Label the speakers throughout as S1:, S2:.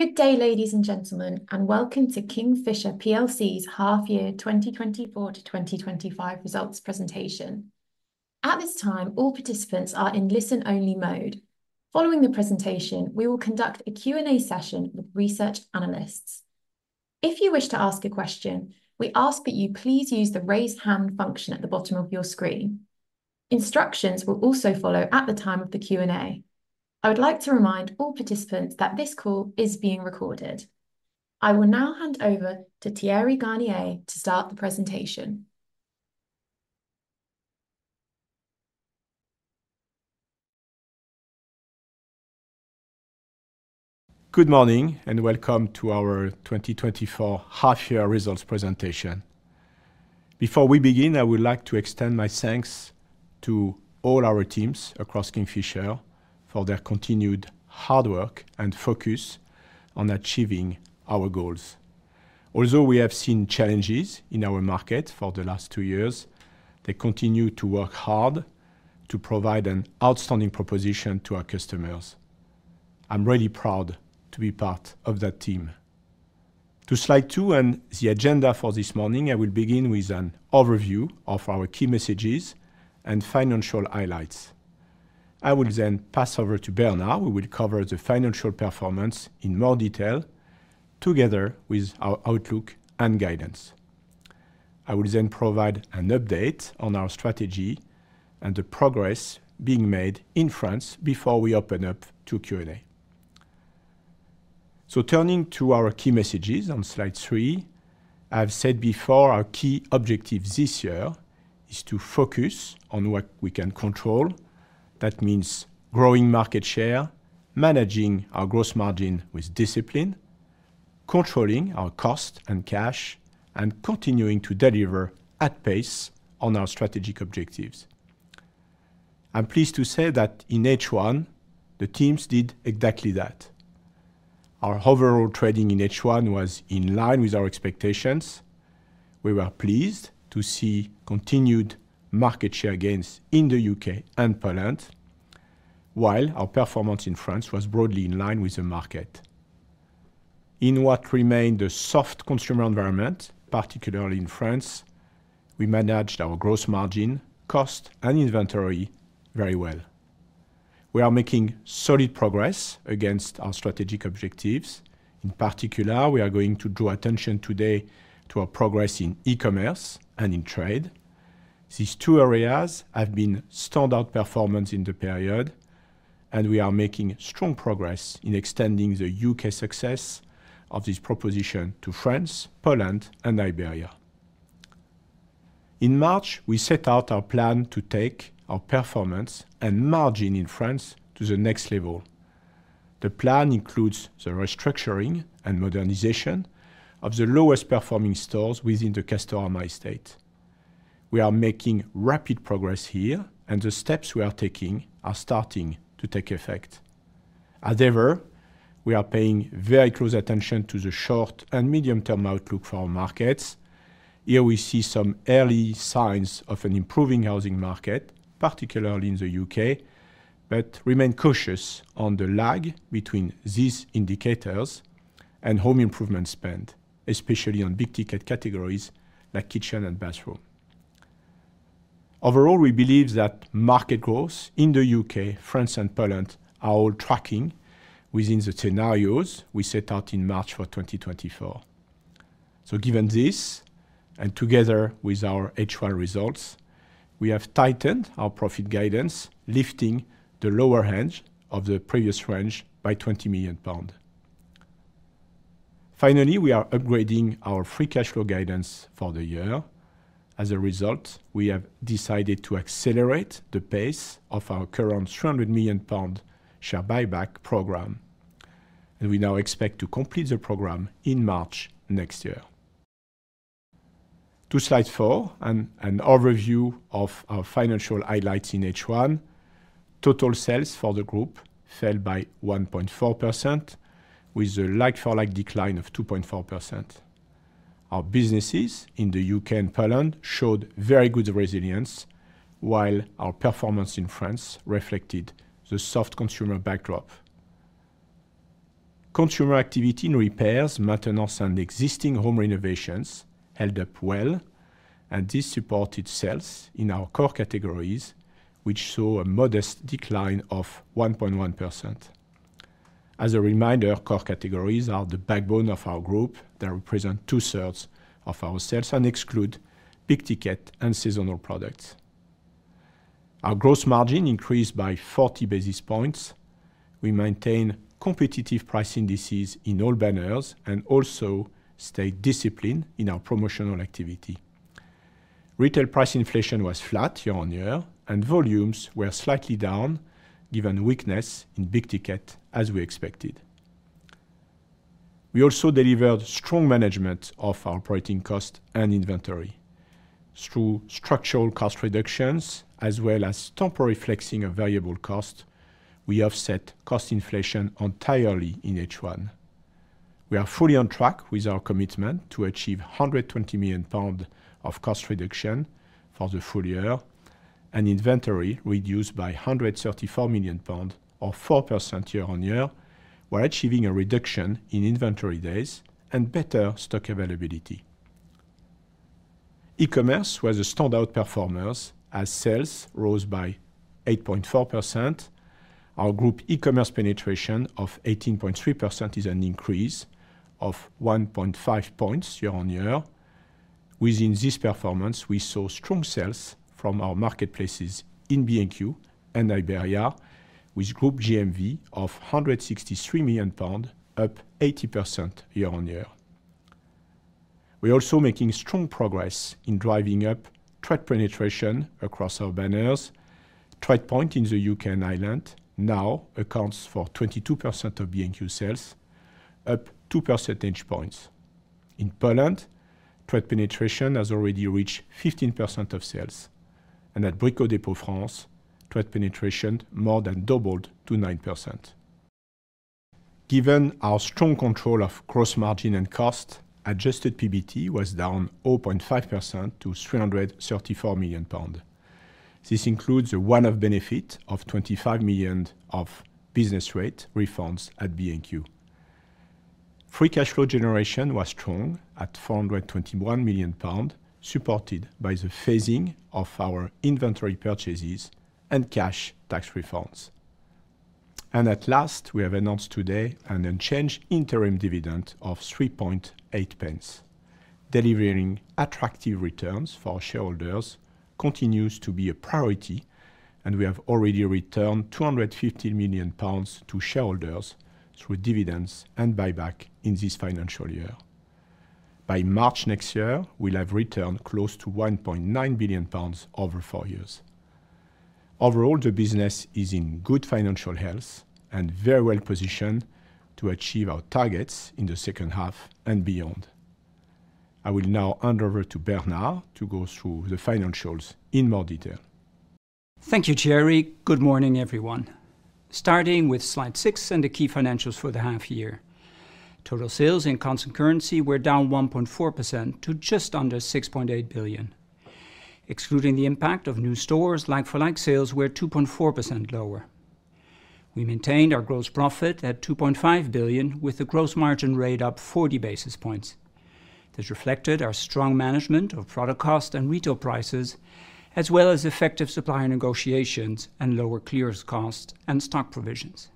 S1: Good day, ladies and gentlemen, and welcome to Kingfisher plc's half-year 2024-2025 Results Presentation. At this time, all participants are in listen-only mode. Following the presentation, we will conduct a Q&A session with research analysts. If you wish to ask a question, we ask that you please use the raise hand function at the bottom of your screen. Instructions will also follow at the time of the Q&A. I would like to remind all participants that this call is being recorded. I will now hand over to Thierry Garnier to start the presentation.
S2: Good morning, and welcome to our 2024 half-year results presentation. Before we begin, I would like to extend my thanks to all our teams across Kingfisher for their continued hard work and focus on achieving our goals. Although we have seen challenges in our market for the last two years, they continue to work hard to provide an outstanding proposition to our customers. I'm really proud to be part of that team. To Slide two and the agenda for this morning, I will begin with an overview of our key messages and financial highlights. I will then pass over to Bernard, who will cover the financial performance in more detail, together with our outlook and guidance. I will then provide an update on our strategy and the progress being made in France before we open up to Q&A. Turning to our key messages on slide three, I've said before, our key objective this year is to focus on what we can control. That means growing market share, managing our gross margin with discipline, controlling our cost and cash, and continuing to deliver at pace on our strategic objectives. I'm pleased to say that in H1, the teams did exactly that. Our overall trading in H1 was in line with our expectations. We were pleased to see continued market share gains in the U.K. and Poland, while our performance in France was broadly in line with the market. In what remained a soft consumer environment, particularly in France, we managed our gross margin, cost, and inventory very well. We are making solid progress against our strategic objectives. In particular, we are going to draw attention today to our progress in e-commerce and in trade. These two areas have been standout performance in the period, and we are making strong progress in extending the U.K. success of this proposition to France, Poland, and Iberia. In March, we set out our plan to take our performance and margin in France to the next level. The plan includes the restructuring and modernization of the lowest-performing stores within the Castorama estate. We are making rapid progress here, and the steps we are taking are starting to take effect. As ever, we are paying very close attention to the short and medium-term outlook for our markets. Here we see some early signs of an improving housing market, particularly in the U.K., but remain cautious on the lag between these indicators and home improvement spend, especially on big-ticket categories like kitchen and bathroom. Overall, we believe that market growth in the U.K., France, and Poland are all tracking within the scenarios we set out in March 2024. So given this, and together with our H1 results, we have tightened our profit guidance, lifting the lower edge of the previous range by 20 million pounds. Finally, we are upgrading our free cash flow guidance for the year. As a result, we have decided to accelerate the pace of our current 300 million pound share buyback program, and we now expect to complete the program in March next year. To Slide four and an overview of our financial highlights in H1. Total sales for the group fell by 1.4%, with a like-for-like decline of 2.4%. Our businesses in the U.K. and Poland showed very good resilience, while our performance in France reflected the soft consumer backdrop. Consumer activity in repairs, maintenance, and existing home renovations held up well, and this supported sales in our core categories, which saw a modest decline of 1.1%. As a reminder, core categories are the backbone of our group. They represent two-thirds of our sales and exclude big-ticket and seasonal products. Our gross margin increased by 40 basis points. We maintain competitive price indices in all banners and also stay disciplined in our promotional activity. Retail price inflation was flat year-on-year, and volumes were slightly down, given weakness in big ticket, as we expected. We also delivered strong management of our operating cost and inventory. Through structural cost reductions, as well as temporary flexing of variable cost, we offset cost inflation entirely in H1. We are fully on track with our commitment to achieve 120 million pounds of cost reduction for the full year. Inventory reduced by 134 million pounds, or 4% year-on-year, while achieving a reduction in inventory days and better stock availability. E-commerce was a standout performer, as sales rose by 8.4%. Our group e-commerce penetration of 18.3% is an increase of 1.5 points year-on-year. Within this performance, we saw strong sales from our marketplaces in B&Q and Iberia, with group GMV of 163 million pounds, up 80% year-on-year. We're also making strong progress in driving up trade penetration across our banners. TradePoint in the U.K. and Ireland now accounts for 22% of B&Q sales, up two percentage points. In Poland, trade penetration has already reached 15% of sales, and at Brico Dépôt France, trade penetration more than doubled to 9%. Given our strong control of gross margin and cost, Adjusted PBT was down 0.5% to 334 million pounds. This includes a one-off benefit of 25 million of business rate refunds at B&Q. Free Cash Flow generation was strong at 421 million pounds, supported by the phasing of our inventory purchases and cash tax refunds. And at last, we have announced today an unchanged interim dividend of 3.8 pence. Delivering attractive returns for our shareholders continues to be a priority, and we have already returned 250 million pounds to shareholders through dividends and buyback in this financial year. By March next year, we'll have returned close to 1.9 billion pounds over four years. Overall, the business is in good financial health and very well positioned to achieve our targets in the second half and beyond. I will now hand over to Bernard to go through the financials in more detail.
S3: Thank you, Thierry. Good morning, everyone. Starting with slide six and the key financials for the half year. Total sales in constant currency were down 1.4% to just under 6.8 billion. Excluding the impact of new stores, like-for-like sales were 2.4% lower. We maintained our gross profit at 2.5 billion, with the gross margin rate up 40 basis points. This reflected our strong management of product cost and retail prices, as well as effective supplier negotiations and lower clearance costs and stock provisions.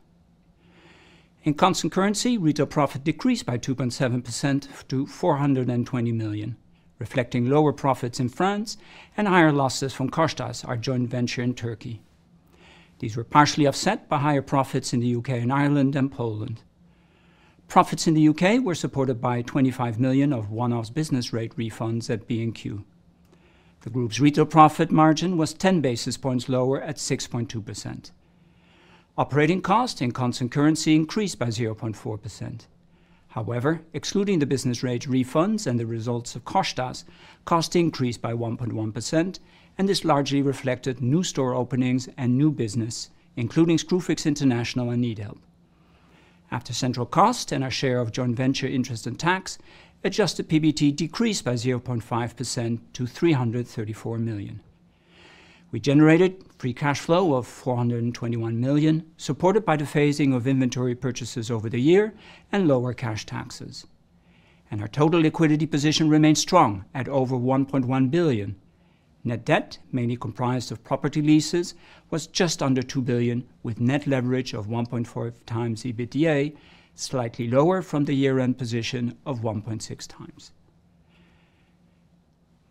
S3: In constant currency, retail profit decreased by 2.7% to 420 million, reflecting lower profits in France and higher losses from Koçtaş, our joint venture in Turkey. These were partially offset by higher profits in the U.K. and Ireland and Poland. Profits in the U.K. were supported by 25 million of one-off business rate refunds at B&Q. The group's retail profit margin was 10 basis points lower at 6.2%. Operating cost in constant currency increased by 0.4%. However, excluding the business rate refunds and the results of Koçtaş, cost increased by 1.1%, and this largely reflected new store openings and new business, including Screwfix International and NeedHelp. After central cost and our share of joint venture interest and tax, adjusted PBT decreased by 0.5% to 334 million. We generated free cash flow of 421 million, supported by the phasing of inventory purchases over the year and lower cash taxes, and our total liquidity position remains strong at over 1.1 billion. Net debt, mainly comprised of property leases, was just under 2 billion, with net leverage of 1.4 times EBITDA, slightly lower from the year-end position of 1.6 times.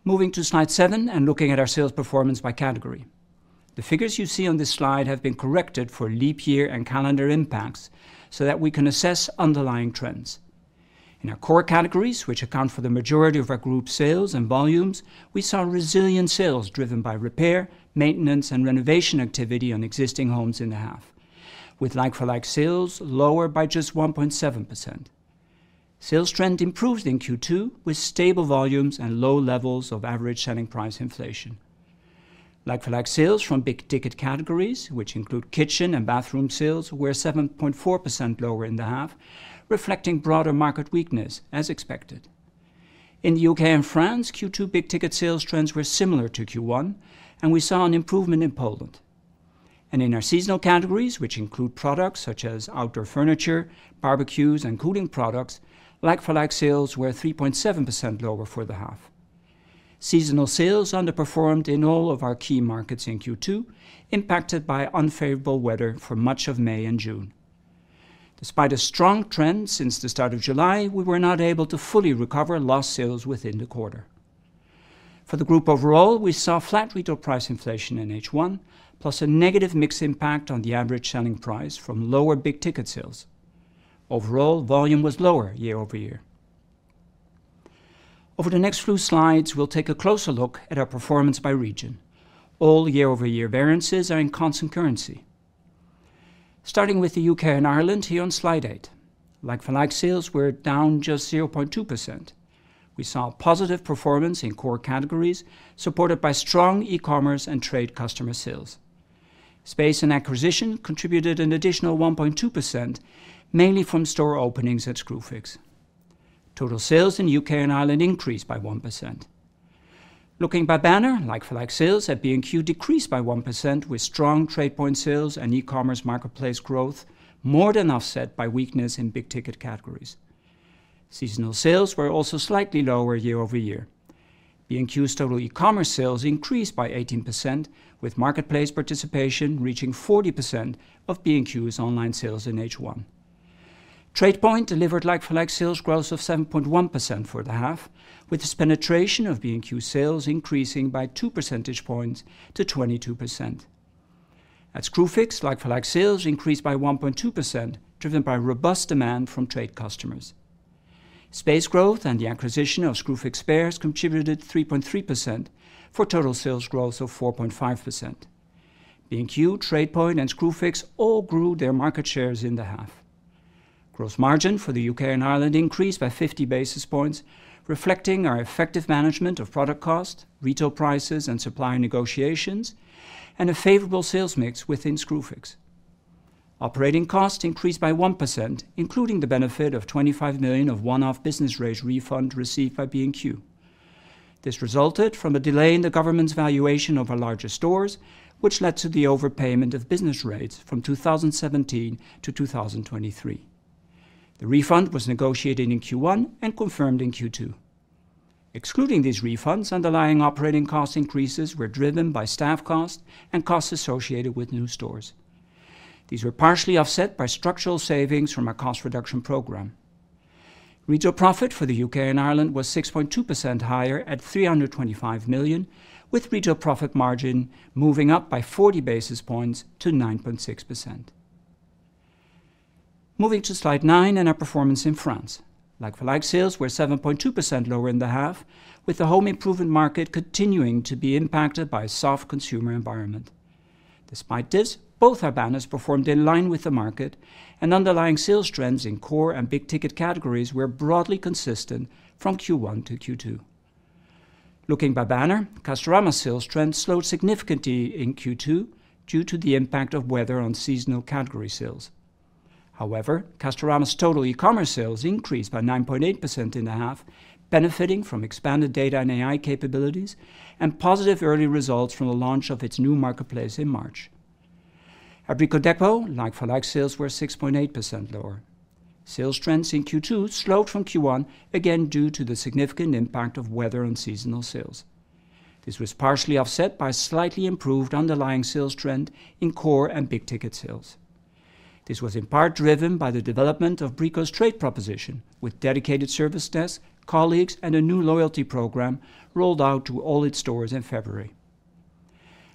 S3: Moving to slide seven and looking at our sales performance by category. The figures you see on this slide have been corrected for leap year and calendar impacts so that we can assess underlying trends. In our core categories, which account for the majority of our group sales and volumes, we saw resilient sales driven by repair, maintenance, and renovation activity on existing homes in the half, with like-for-like sales lower by just 1.7%. Sales trend improved in Q2 with stable volumes and low levels of average selling price inflation. Like-for-like sales from big-ticket categories, which include kitchen and bathroom sales, were 7.4% lower in the half, reflecting broader market weakness, as expected. In the U.K. and France, Q2 big-ticket sales trends were similar to Q1, and we saw an improvement in Poland. In our seasonal categories, which include products such as outdoor furniture, barbecues, and cooling products, like-for-like sales were 3.7% lower for the half. Seasonal sales underperformed in all of our key markets in Q2, impacted by unfavorable weather for much of May and June. Despite a strong trend since the start of July, we were not able to fully recover lost sales within the quarter. For the group overall, we saw flat retail price inflation in H1, plus a negative mix impact on the average selling price from lower big-ticket sales. Overall, volume was lower year over year. Over the next few slides, we'll take a closer look at our performance by region. All year-over-year variances are in constant currency. Starting with the U.K. and Ireland here on slide eight. Like-for-like sales were down just 0.2%. We saw positive performance in core categories, supported by strong e-commerce and trade customer sales. Space and acquisition contributed an additional 1.2%, mainly from store openings at Screwfix. Total sales in U.K. and Ireland increased by 1%. Looking by banner, like-for-like sales at B&Q decreased by 1%, with strong TradePoint sales and e-commerce marketplace growth more than offset by weakness in big-ticket categories. Seasonal sales were also slightly lower year over year. B&Q's total e-commerce sales increased by 18%, with marketplace participation reaching 40% of B&Q's online sales in H1. TradePoint delivered like-for-like sales growth of 7.1% for the half, with its penetration of B&Q sales increasing by two percentage points to 22%. At Screwfix, like-for-like sales increased by 1.2%, driven by robust demand from trade customers. Space growth and the acquisition of Screwfix Spares contributed 3.3% for total sales growth of 4.5%. B&Q, TradePoint, and Screwfix all grew their market shares in the half. Gross margin for the U.K. and Ireland increased by 50 basis points, reflecting our effective management of product cost, retail prices, and supplier negotiations, and a favorable sales mix within Screwfix. Operating costs increased by 1%, including the benefit of 25 million of one-off business rates refund received by B&Q. This resulted from a delay in the government's valuation of our larger stores, which led to the overpayment of business rates from 2017 to 2023. The refund was negotiated in Q1 and confirmed in Q2. Excluding these refunds, underlying operating cost increases were driven by staff costs and costs associated with new stores. These were partially offset by structural savings from our cost reduction program. Retail profit for the U.K. and Ireland was 6.2% higher at 325 million, with retail profit margin moving up by 40 basis points to 9.6%. Moving to Slide nine and our performance in France. Like-for-like sales were 7.2% lower in the half, with the home improvement market continuing to be impacted by a soft consumer environment. Despite this, both our banners performed in line with the market, and underlying sales trends in core and big-ticket categories were broadly consistent from Q1 to Q2. Looking by banner, Castorama sales trends slowed significantly in Q2 due to the impact of weather on seasonal category sales. However, Castorama's total e-commerce sales increased by 9.8% in the half, benefiting from expanded data and AI capabilities and positive early results from the launch of its new marketplace in March. At Brico Dépôt, like-for-like sales were 6.8% lower. Sales trends in Q2 slowed from Q1, again, due to the significant impact of weather on seasonal sales. This was partially offset by slightly improved underlying sales trend in core and big-ticket sales. This was in part driven by the development of Brico Dépôt's trade proposition, with dedicated service desks, colleagues, and a new loyalty program rolled out to all its stores in February.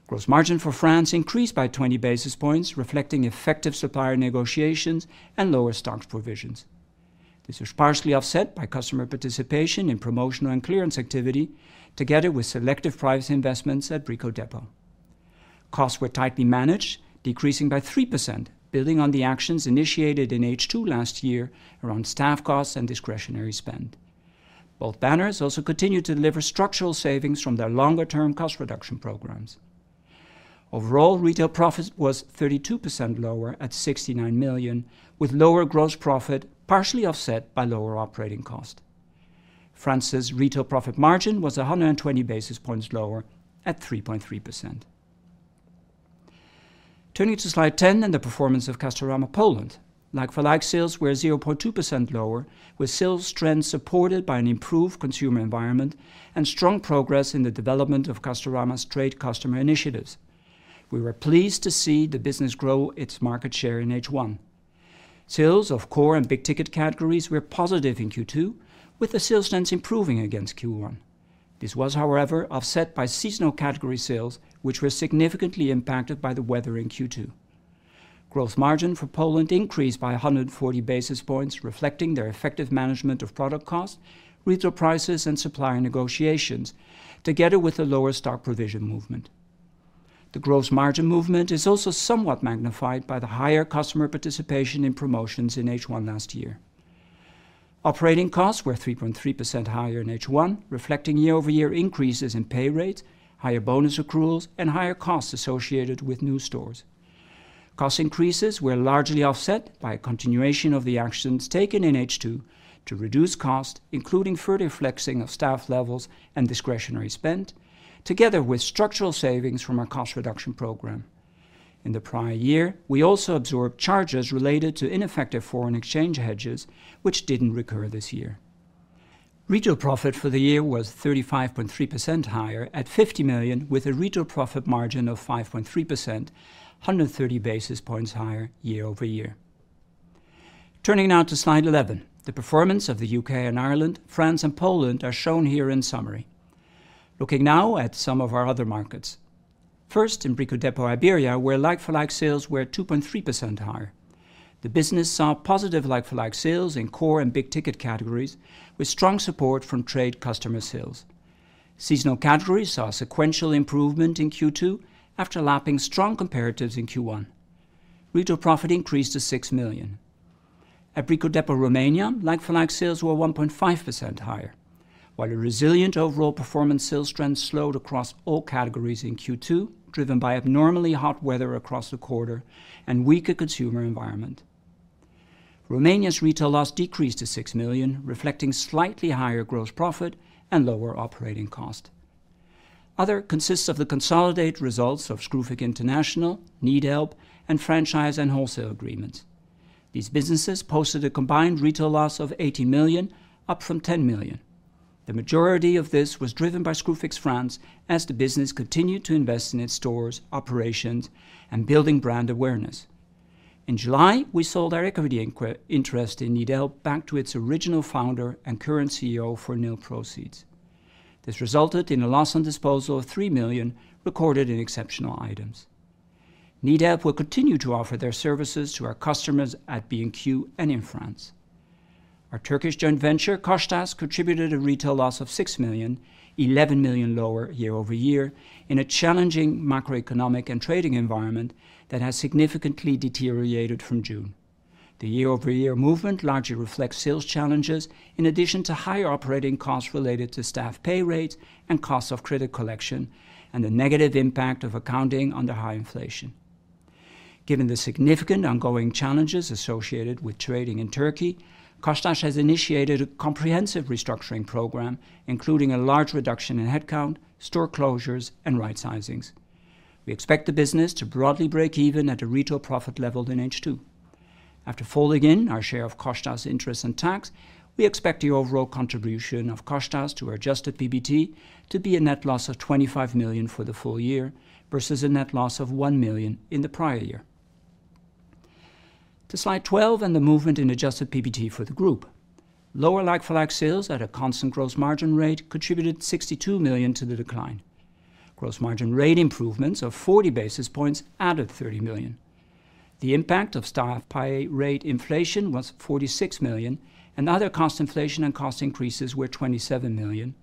S3: Gross margin for France increased by 20 basis points, reflecting effective supplier negotiations and lower stock provisions. This was partially offset by customer participation in promotional and clearance activity, together with selective price investments at Brico Dépôt. Costs were tightly managed, decreasing by 3%, building on the actions initiated in H2 last year around staff costs and discretionary spend. Both banners also continued to deliver structural savings from their longer-term cost reduction programs. Overall, retail profit was 32% lower at 69 million, with lower gross profit partially offset by lower operating cost. France's retail profit margin was 120 basis points lower at 3.3%. Turning to Slide 10 and the performance of Castorama Poland. Like-for-like sales were 0.2% lower, with sales trends supported by an improved consumer environment and strong progress in the development of Castorama's trade customer initiatives. We were pleased to see the business grow its market share in H1. Sales of core and big ticket categories were positive in Q2, with the sales trends improving against Q1. This was, however, offset by seasonal category sales, which were significantly impacted by the weather in Q2. Gross margin for Poland increased by 140 basis points, reflecting their effective management of product costs, retail prices, and supplier negotiations, together with the lower stock provision movement. The gross margin movement is also somewhat magnified by the higher customer participation in promotions in H1 last year. Operating costs were 3.3% higher in H1, reflecting year-over-year increases in pay rates, higher bonus accruals, and higher costs associated with new stores. Cost increases were largely offset by a continuation of the actions taken in H2 to reduce costs, including further flexing of staff levels and discretionary spend, together with structural savings from our cost reduction program. In the prior year, we also absorbed charges related to ineffective foreign exchange hedges, which didn't recur this year. Retail profit for the year was 35.3% higher at 50 million, with a retail profit margin of 5.3%, 130 basis points higher year over year. Turning now to Slide 11. The performance of the U.K. and Ireland, France and Poland are shown here in summary. Looking now at some of our other markets. First, in Brico Dépôt Iberia, where like-for-like sales were 2.3% higher. The business saw positive like-for-like sales in core and big ticket categories, with strong support from trade customer sales. Seasonal categories saw a sequential improvement in Q2 after lapping strong comparatives in Q1. Retail profit increased to 6 million. At Brico Dépôt Romania, like-for-like sales were 1.5% higher. While a resilient overall performance, sales trends slowed across all categories in Q2, driven by abnormally hot weather across the quarter and weaker consumer environment. Romania's retail loss decreased to 6 million, reflecting slightly higher gross profit and lower operating cost. Other consists of the consolidated results of Screwfix International, NeedHelp, and franchise and wholesale agreements. These businesses posted a combined retail loss of 80 million, up from 10 million. The majority of this was driven by Screwfix France, as the business continued to invest in its stores, operations, and building brand awareness. In July, we sold our equity interest in NeedHelp back to its original founder and current CEO for nil proceeds. This resulted in a loss on disposal of 3 million, recorded in exceptional items. NeedHelp will continue to offer their services to our customers at B&Q and in France. Our Turkish joint venture, Koçtaş, contributed a retail loss of 6 million, 11 million lower year over year, in a challenging macroeconomic and trading environment that has significantly deteriorated from June. The year-over-year movement largely reflects sales challenges, in addition to higher operating costs related to staff pay rates and costs of credit collection, and the negative impact of accounting under high inflation. Given the significant ongoing challenges associated with trading in Turkey, Koçtaş has initiated a comprehensive restructuring program, including a large reduction in headcount, store closures, and rightsizings. We expect the business to broadly break even at a retail profit level in H2. After folding in our share of Koçtaş's interest and tax, we expect the overall contribution of Koçtaş to our adjusted PBT to be a net loss of 25 million for the full year, versus a net loss of 1 million in the prior year. To Slide 12 and the movement in adjusted PBT for the group. Lower like-for-like sales at a constant gross margin rate contributed 62 million to the decline. Gross margin rate improvements of 40 basis points added 30 million. The impact of staff pay rate inflation was 46 million, and other cost inflation and cost increases were 27 million,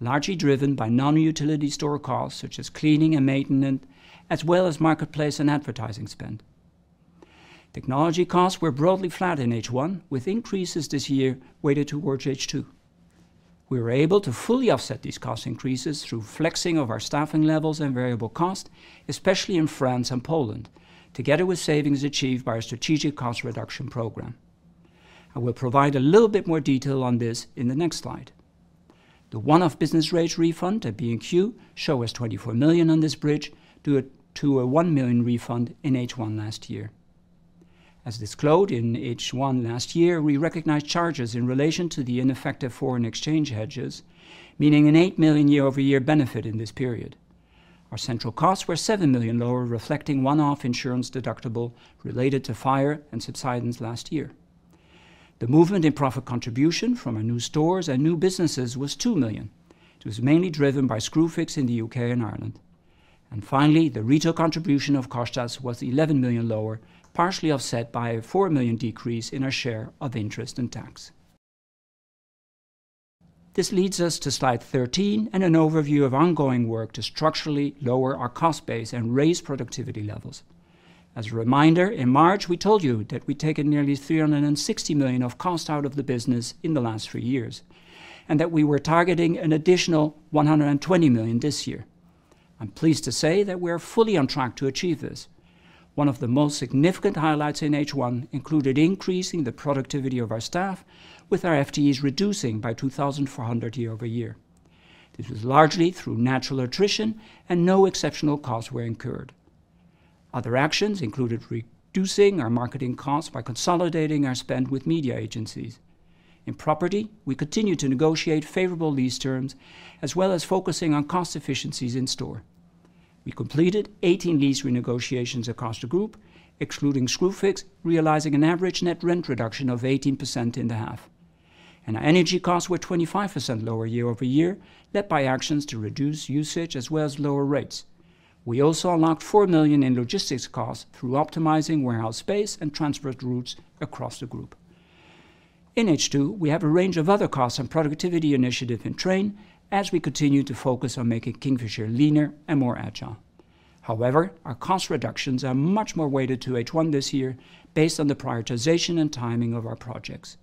S3: largely driven by non-utility store costs, such as cleaning and maintenance, as well as marketplace and advertising spend. Technology costs were broadly flat in H1, with increases this year weighted towards H2. We were able to fully offset these cost increases through flexing of our staffing levels and variable costs, especially in France and Poland, together with savings achieved by our strategic cost reduction program. I will provide a little bit more detail on this in the next slide. The one-off business rate refund at B&Q show us 24 million on this bridge, due to a 1 million refund in H1 last year. As disclosed in H1 last year, we recognized charges in relation to the ineffective foreign exchange hedges, meaning a 8 million year-over-year benefit in this period. Our central costs were seven million lower, reflecting one-off insurance deductible related to fire and subsidence last year. The movement in profit contribution from our new stores and new businesses was two million. It was mainly driven by Screwfix in the U.K. and Ireland, and finally, the retail contribution of Koçtaş was eleven million lower, partially offset by a four million decrease in our share of interest and tax. This leads us to slide 13 and an overview of ongoing work to structurally lower our cost base and raise productivity levels. As a reminder, in March, we told you that we'd taken nearly three hundred and sixty million of cost out of the business in the last three years, and that we were targeting an additional one hundred and twenty million this year. I'm pleased to say that we are fully on track to achieve this. One of the most significant highlights in H1 included increasing the productivity of our staff, with our FTEs reducing by 2,400 year over year. This was largely through natural attrition and no exceptional costs were incurred. Other actions included reducing our marketing costs by consolidating our spend with media agencies. In property, we continued to negotiate favorable lease terms, as well as focusing on cost efficiencies in store. We completed 18 lease renegotiations across the group, excluding Screwfix, realizing an average net rent reduction of 18% in the half. And our energy costs were 25% lower year over year, led by actions to reduce usage as well as lower rates. We also unlocked 4 million in logistics costs through optimizing warehouse space and transport routes across the group. In H2, we have a range of other costs and productivity initiatives in train as we continue to focus on making Kingfisher leaner and more agile. However, our cost reductions are much more weighted to H1 this year based on the prioritization and timing of our projects.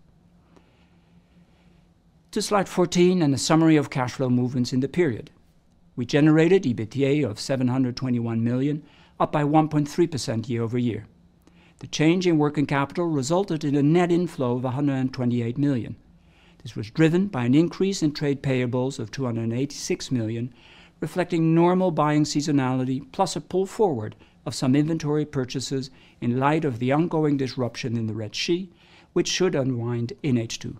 S3: To slide 14 and a summary of cash flow movements in the period. We generated EBITDA of 721 million, up by 1.3% year over year. The change in working capital resulted in a net inflow of 128 million. This was driven by an increase in trade payables of 286 million, reflecting normal buying seasonality, plus a pull forward of some inventory purchases in light of the ongoing disruption in the Red Sea, which should unwind in H2.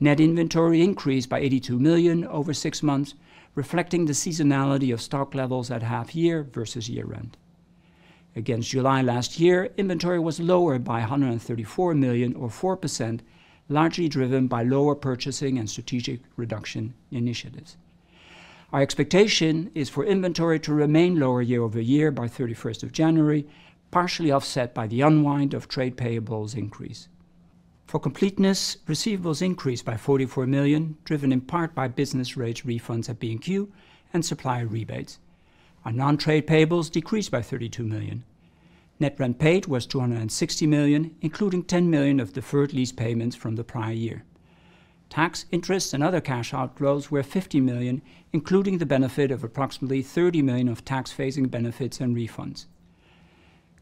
S3: Net inventory increased by 82 million over six months, reflecting the seasonality of stock levels at half year versus year end. Against July last year, inventory was lower by 134 million, or 4%, largely driven by lower purchasing and strategic reduction initiatives. Our expectation is for inventory to remain lower year over year by thirty-first of January, partially offset by the unwind of trade payables increase. For completeness, receivables increased by 44 million, driven in part by business rate refunds at B&Q and supplier rebates. Our non-trade payables decreased by 32 million. Net rent paid was 260 million, including 10 million of deferred lease payments from the prior year. Tax interests and other cash outflows were 50 million, including the benefit of approximately 30 million of tax-facing benefits and refunds.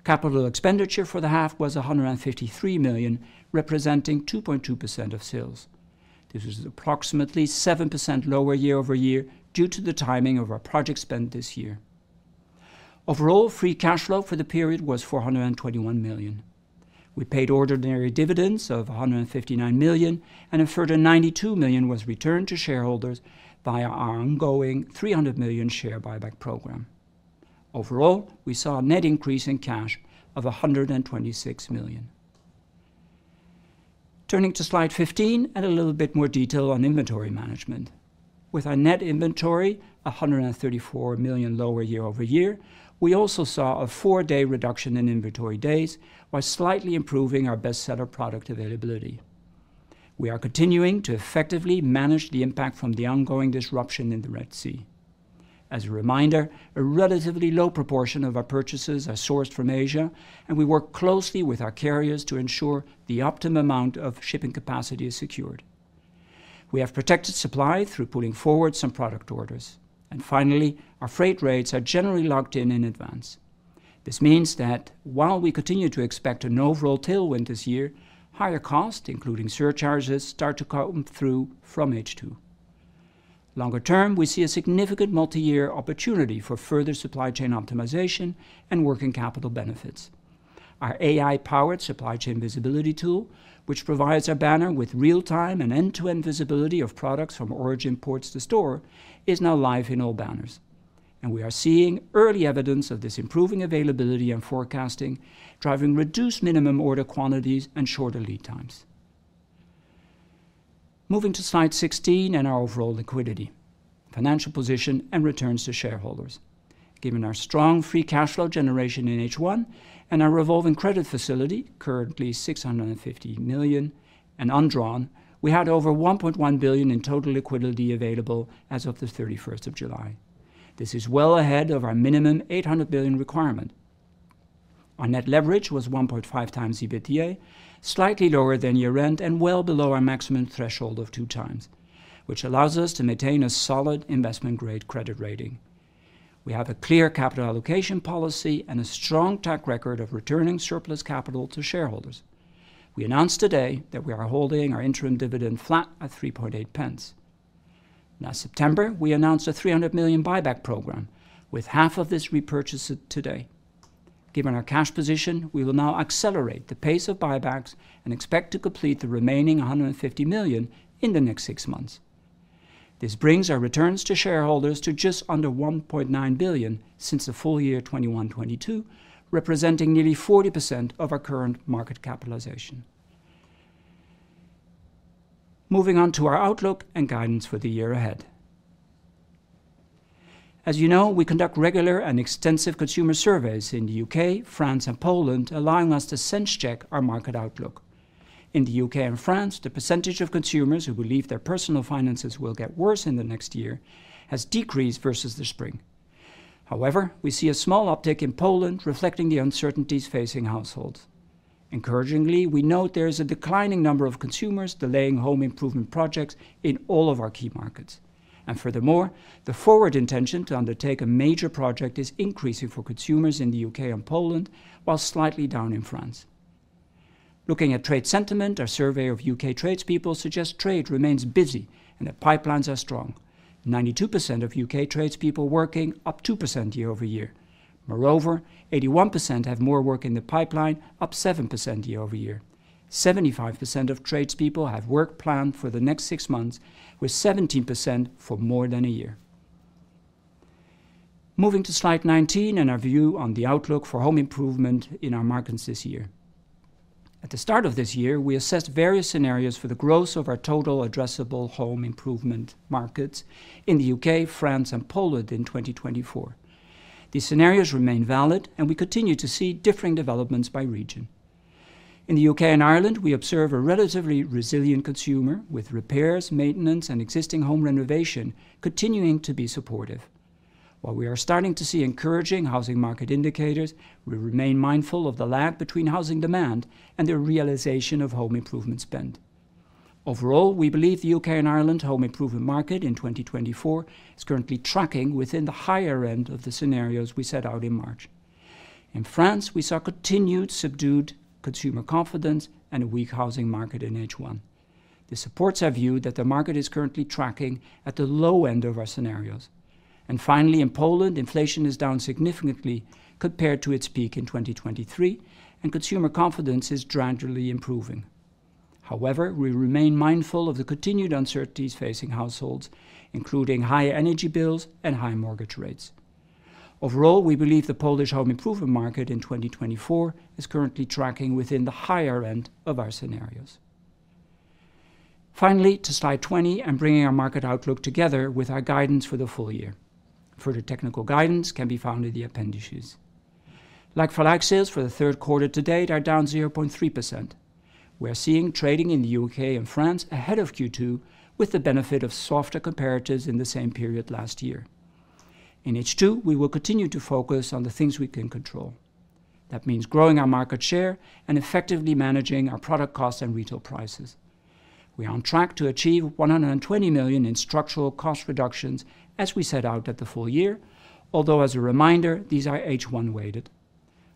S3: Capital expenditure for the half was 153 million, representing 2.2% of sales. This is approximately 7% lower year over year due to the timing of our project spend this year. Overall, free cash flow for the period was 421 million. We paid ordinary dividends of 159 million, and a further 92 million was returned to shareholders via our ongoing 300 million share buyback program. Overall, we saw a net increase in cash of 126 million. Turning to Slide 15, and a little bit more detail on inventory management. With our net inventory 134 million lower year over year, we also saw a 4-day reduction in inventory days, while slightly improving our bestseller product availability. We are continuing to effectively manage the impact from the ongoing disruption in the Red Sea. As a reminder, a relatively low proportion of our purchases are sourced from Asia, and we work closely with our carriers to ensure the optimum amount of shipping capacity is secured. We have protected supply through pulling forward some product orders. And finally, our freight rates are generally locked in in advance. This means that while we continue to expect an overall tailwind this year, higher costs, including surcharges, start to come through from H2. Longer term, we see a significant multi-year opportunity for further supply chain optimization and working capital benefits. Our AI-powered supply chain visibility tool, which provides our banner with real-time and end-to-end visibility of products from origin ports to store, is now live in all banners, and we are seeing early evidence of this improving availability and forecasting, driving reduced minimum order quantities and shorter lead times. Moving to Slide 16 and our overall liquidity, financial position, and returns to shareholders. Given our strong free cash flow generation in H1 and our revolving credit facility, currently 650 million and undrawn, we had over 1.1 billion in total liquidity available as of the thirty-first of July. This is well ahead of our minimum 800 million requirement. Our net leverage was 1.5 times EBITDA, slightly lower than year-end, and well below our maximum threshold of 2 times, which allows us to maintain a solid investment-grade credit rating. We have a clear capital allocation policy and a strong track record of returning surplus capital to shareholders. We announced today that we are holding our interim dividend flat at 0.038. Last September, we announced a 300 million buyback program, with half of this repurchased today. Given our cash position, we will now accelerate the pace of buybacks and expect to complete the remaining 150 million in the next six months. This brings our returns to shareholders to just under 1.9 billion since the full year 2021, 2022, representing nearly 40% of our current market capitalization. Moving on to our outlook and guidance for the year ahead. As you know, we conduct regular and extensive consumer surveys in the U.K., France, and Poland, allowing us to sense check our market outlook. In the U.K., and France, the percentage of consumers who believe their personal finances will get worse in the next year has decreased versus the spring. However, we see a small uptick in Poland, reflecting the uncertainties facing households. Encouragingly, we note there is a declining number of consumers delaying home improvement projects in all of our key markets. And furthermore, the forward intention to undertake a major project is increasing for consumers in the U.K. and Poland, while slightly down in France. Looking at trade sentiment, our survey of U.K. tradespeople suggests trade remains busy and that pipelines are strong. 92% of U.K. tradespeople working, up 2% year over year. Moreover, 81% have more work in the pipeline, up 7% year over year. 75% of tradespeople have work planned for the next six months, with 17% for more than a year. Moving to Slide 19 and our view on the outlook for home improvement in our markets this year. At the start of this year, we assessed various scenarios for the growth of our total addressable home improvement markets in the U.K., France, and Poland in twenty twenty-four. These scenarios remain valid, and we continue to see differing developments by region. In the U.K. and Ireland, we observe a relatively resilient consumer, with repairs, maintenance, and existing home renovation continuing to be supportive. While we are starting to see encouraging housing market indicators, we remain mindful of the lag between housing demand and the realization of home improvement spend. Overall, we believe the U.K. and Ireland home improvement market in twenty twenty-four is currently tracking within the higher end of the scenarios we set out in March. In France, we saw continued subdued consumer confidence and a weak housing market in H1. This supports our view that the market is currently tracking at the low end of our scenarios. Finally, in Poland, inflation is down significantly compared to its peak in twenty twenty-three, and consumer confidence is gradually improving. However, we remain mindful of the continued uncertainties facing households, including high energy bills and high mortgage rates. Overall, we believe the Polish home improvement market in twenty twenty-four is currently tracking within the higher end of our scenarios. Finally, to Slide 20, and bringing our market outlook together with our guidance for the full year. Further technical guidance can be found in the appendices. Like-for-like sales for the third quarter to date are down 0.3%. We are seeing trading in the U.K. and France ahead of Q2, with the benefit of softer comparatives in the same period last year. In H2, we will continue to focus on the things we can control. That means growing our market share and effectively managing our product costs and retail prices. We are on track to achieve 120 million in structural cost reductions, as we set out at the full year, although, as a reminder, these are H1 weighted.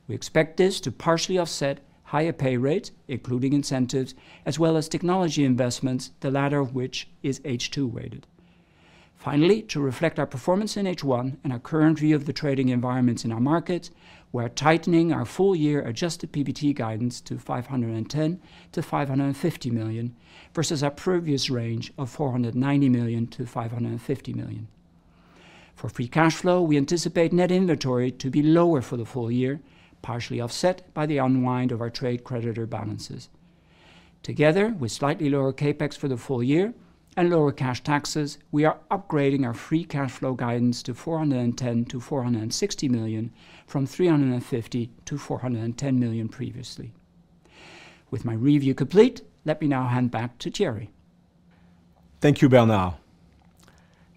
S3: We expect this to partially offset higher pay rates, including incentives, as well as technology investments, the latter of which is H2 weighted. Finally, to reflect our performance in H1 and our current view of the trading environments in our markets, we're tightening our full year Adjusted PBT guidance to 510 million to 550 million, versus our previous range of 490 million to 550 million. For Free Cash Flow, we anticipate net inventory to be lower for the full year, partially offset by the unwind of our trade creditor balances. Together, with slightly lower CapEx for the full year and lower cash taxes, we are upgrading our free cash flow guidance to 410-460 million, from 350-410 million previously. With my review complete, let me now hand back to Thierry.
S2: Thank you, Bernard.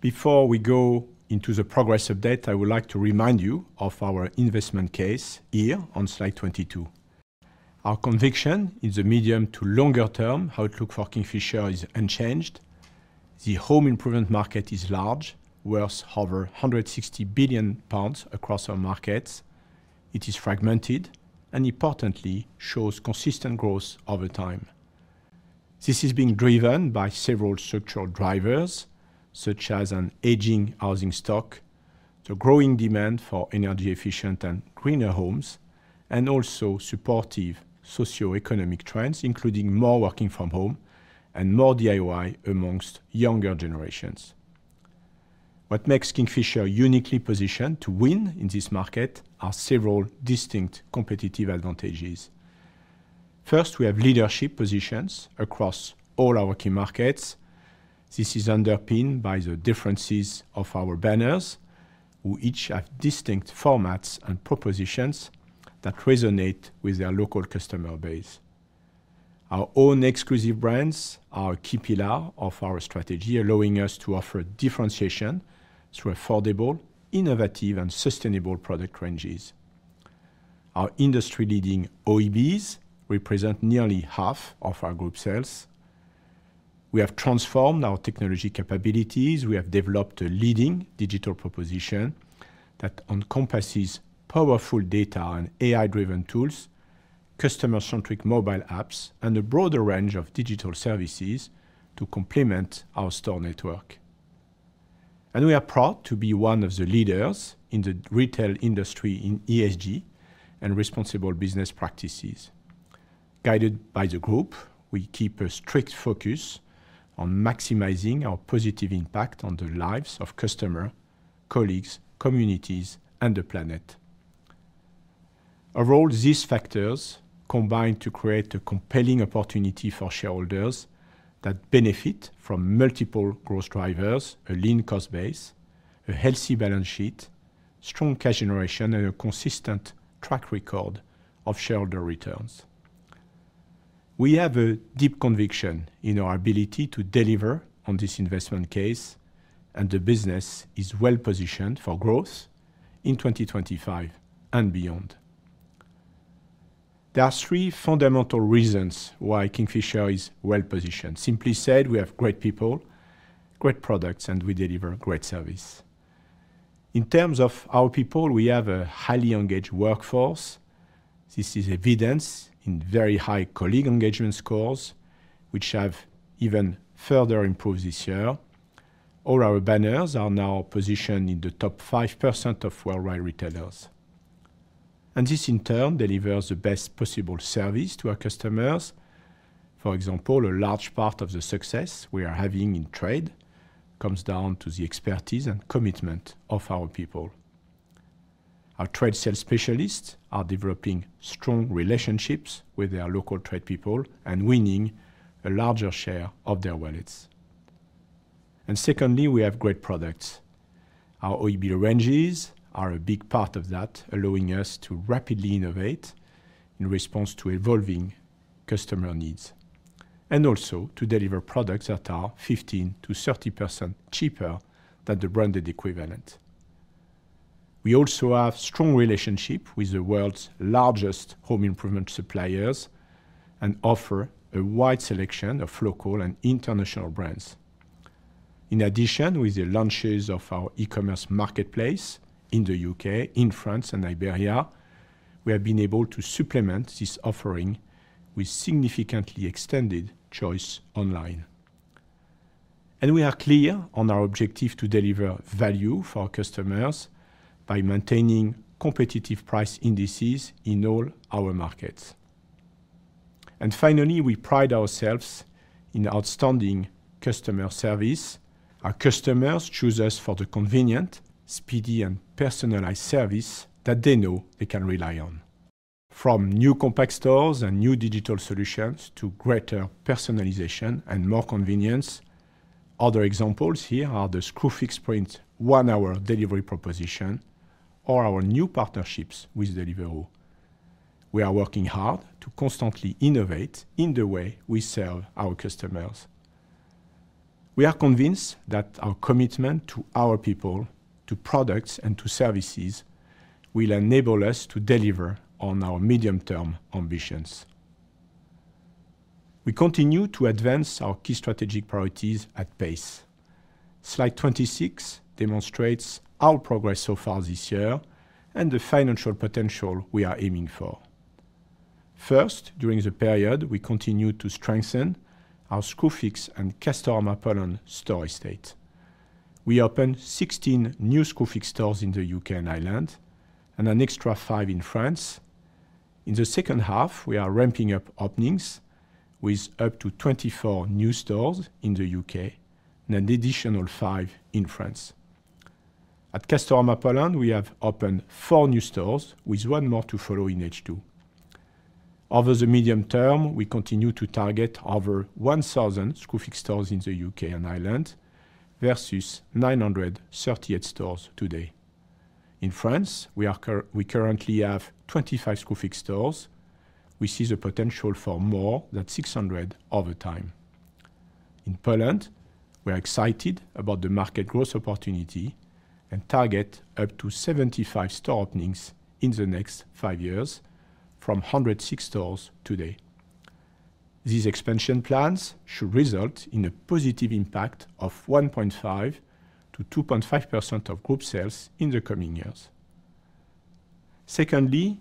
S2: Before we go into the progress update, I would like to remind you of our investment case here on slide 22. Our conviction in the medium to longer term outlook for Kingfisher is unchanged. The home improvement market is large, worth over 160 billion pounds across our markets. It is fragmented and importantly, shows consistent growth over time. This is being driven by several structural drivers, such as an aging housing stock, the growing demand for energy efficient and greener homes, and also supportive socioeconomic trends, including more working from home and more DIY amongst younger generations. What makes Kingfisher uniquely positioned to win in this market are several distinct competitive advantages. First, we have leadership positions across all our key markets. This is underpinned by the differences of our banners, who each have distinct formats and propositions that resonate with their local customer base. Our own exclusive brands are a key pillar of our strategy, allowing us to offer differentiation through affordable, innovative, and sustainable product ranges. Our industry-leading OEBs represent nearly half of our group sales. We have transformed our technology capabilities. We have developed a leading digital proposition that encompasses powerful data and AI-driven tools, customer-centric mobile apps, and a broader range of digital services to complement our store network, and we are proud to be one of the leaders in the retail industry in ESG and responsible business practices. Guided by the group, we keep a strict focus on maximizing our positive impact on the lives of customers, colleagues, communities, and the planet. Overall, these factors combine to create a compelling opportunity for shareholders that benefit from multiple growth drivers, a lean cost base, a healthy balance sheet, strong cash generation, and a consistent track record of shareholder returns. We have a deep conviction in our ability to deliver on this investment case, and the business is well positioned for growth in 2025 and beyond. There are three fundamental reasons why Kingfisher is well positioned. Simply said, we have great people, great products, and we deliver great service. In terms of our people, we have a highly engaged workforce. This is evidenced in very high colleague engagement scores, which have even further improved this year. All our banners are now positioned in the top 5% of worldwide retailers, and this, in turn, delivers the best possible service to our customers. For example, a large part of the success we are having in trade comes down to the expertise and commitment of our people. Our trade sales specialists are developing strong relationships with their local trade people and winning a larger share of their wallets. Secondly, we have great products. Our OEB ranges are a big part of that, allowing us to rapidly innovate in response to evolving customer needs, and also to deliver products that are 15%-30% cheaper than the branded equivalent. We also have strong relationship with the world's largest home improvement suppliers and offer a wide selection of local and international brands. In addition, with the launches of our e-commerce marketplace in the U.K., in France and Iberia, we have been able to supplement this offering with significantly extended choice online. And we are clear on our objective to deliver value for our customers by maintaining competitive price indices in all our markets. And finally, we pride ourselves in outstanding customer service. Our customers choose us for the convenient, speedy, and personalized service that they know they can rely on. From new compact stores and new digital solutions to greater personalization and more convenience... Other examples here are the Screwfix Sprint one-hour delivery proposition or our new partnerships with Deliveroo. We are working hard to constantly innovate in the way we serve our customers. We are convinced that our commitment to our people, to products, and to services will enable us to deliver on our medium-term ambitions. We continue to advance our key strategic priorities at pace. Slide 26, demonstrates our progress so far this year and the financial potential we are aiming for. First, during the period, we continued to strengthen our Screwfix and Castorama Poland store estate. We opened 16 new Screwfix stores in the U.K. and Ireland, and an extra five in France. In the second half, we are ramping up openings with up to 24 new stores in the U.K. and an additional five in France. At Castorama Poland, we have opened four new stores, with one more to follow in H2. Over the medium term, we continue to target over 1,000 Screwfix stores in the U.K. and Ireland versus 938 stores today. In France, we currently have 25 Screwfix stores. We see the potential for more than 600 over time. In Poland, we are excited about the market growth opportunity and target up to 75 store openings in the next five years from 106 stores today. These expansion plans should result in a positive impact of 1.5%-2.5% of group sales in the coming years. Secondly,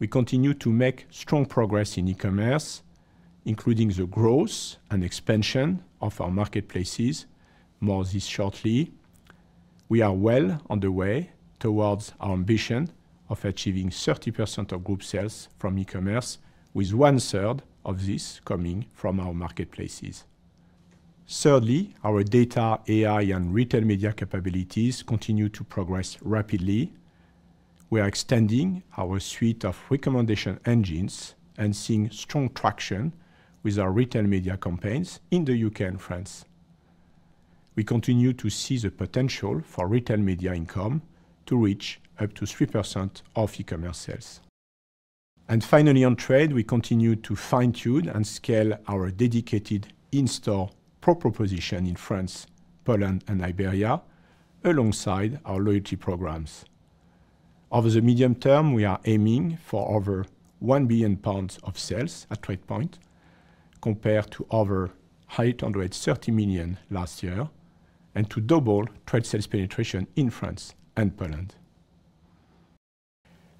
S2: we continue to make strong progress in e-commerce, including the growth and expansion of our marketplaces. More of this shortly. We are well on the way towards our ambition of achieving 30% of group sales from e-commerce, with one-third of this coming from our marketplaces. Thirdly, our data, AI, and retail media capabilities continue to progress rapidly. We are extending our suite of recommendation engines and seeing strong traction with our retail media campaigns in the U.K. and France. We continue to see the potential for retail media income to reach up to 3% of e-commerce sales. And finally, on trade, we continue to fine-tune and scale our dedicated in-store pro proposition in France, Poland, and Iberia, alongside our loyalty programs. Over the medium term, we are aiming for over 1 billion pounds of sales at TradePoint, compared to over 830 million last year, and to double trade sales penetration in France and Poland.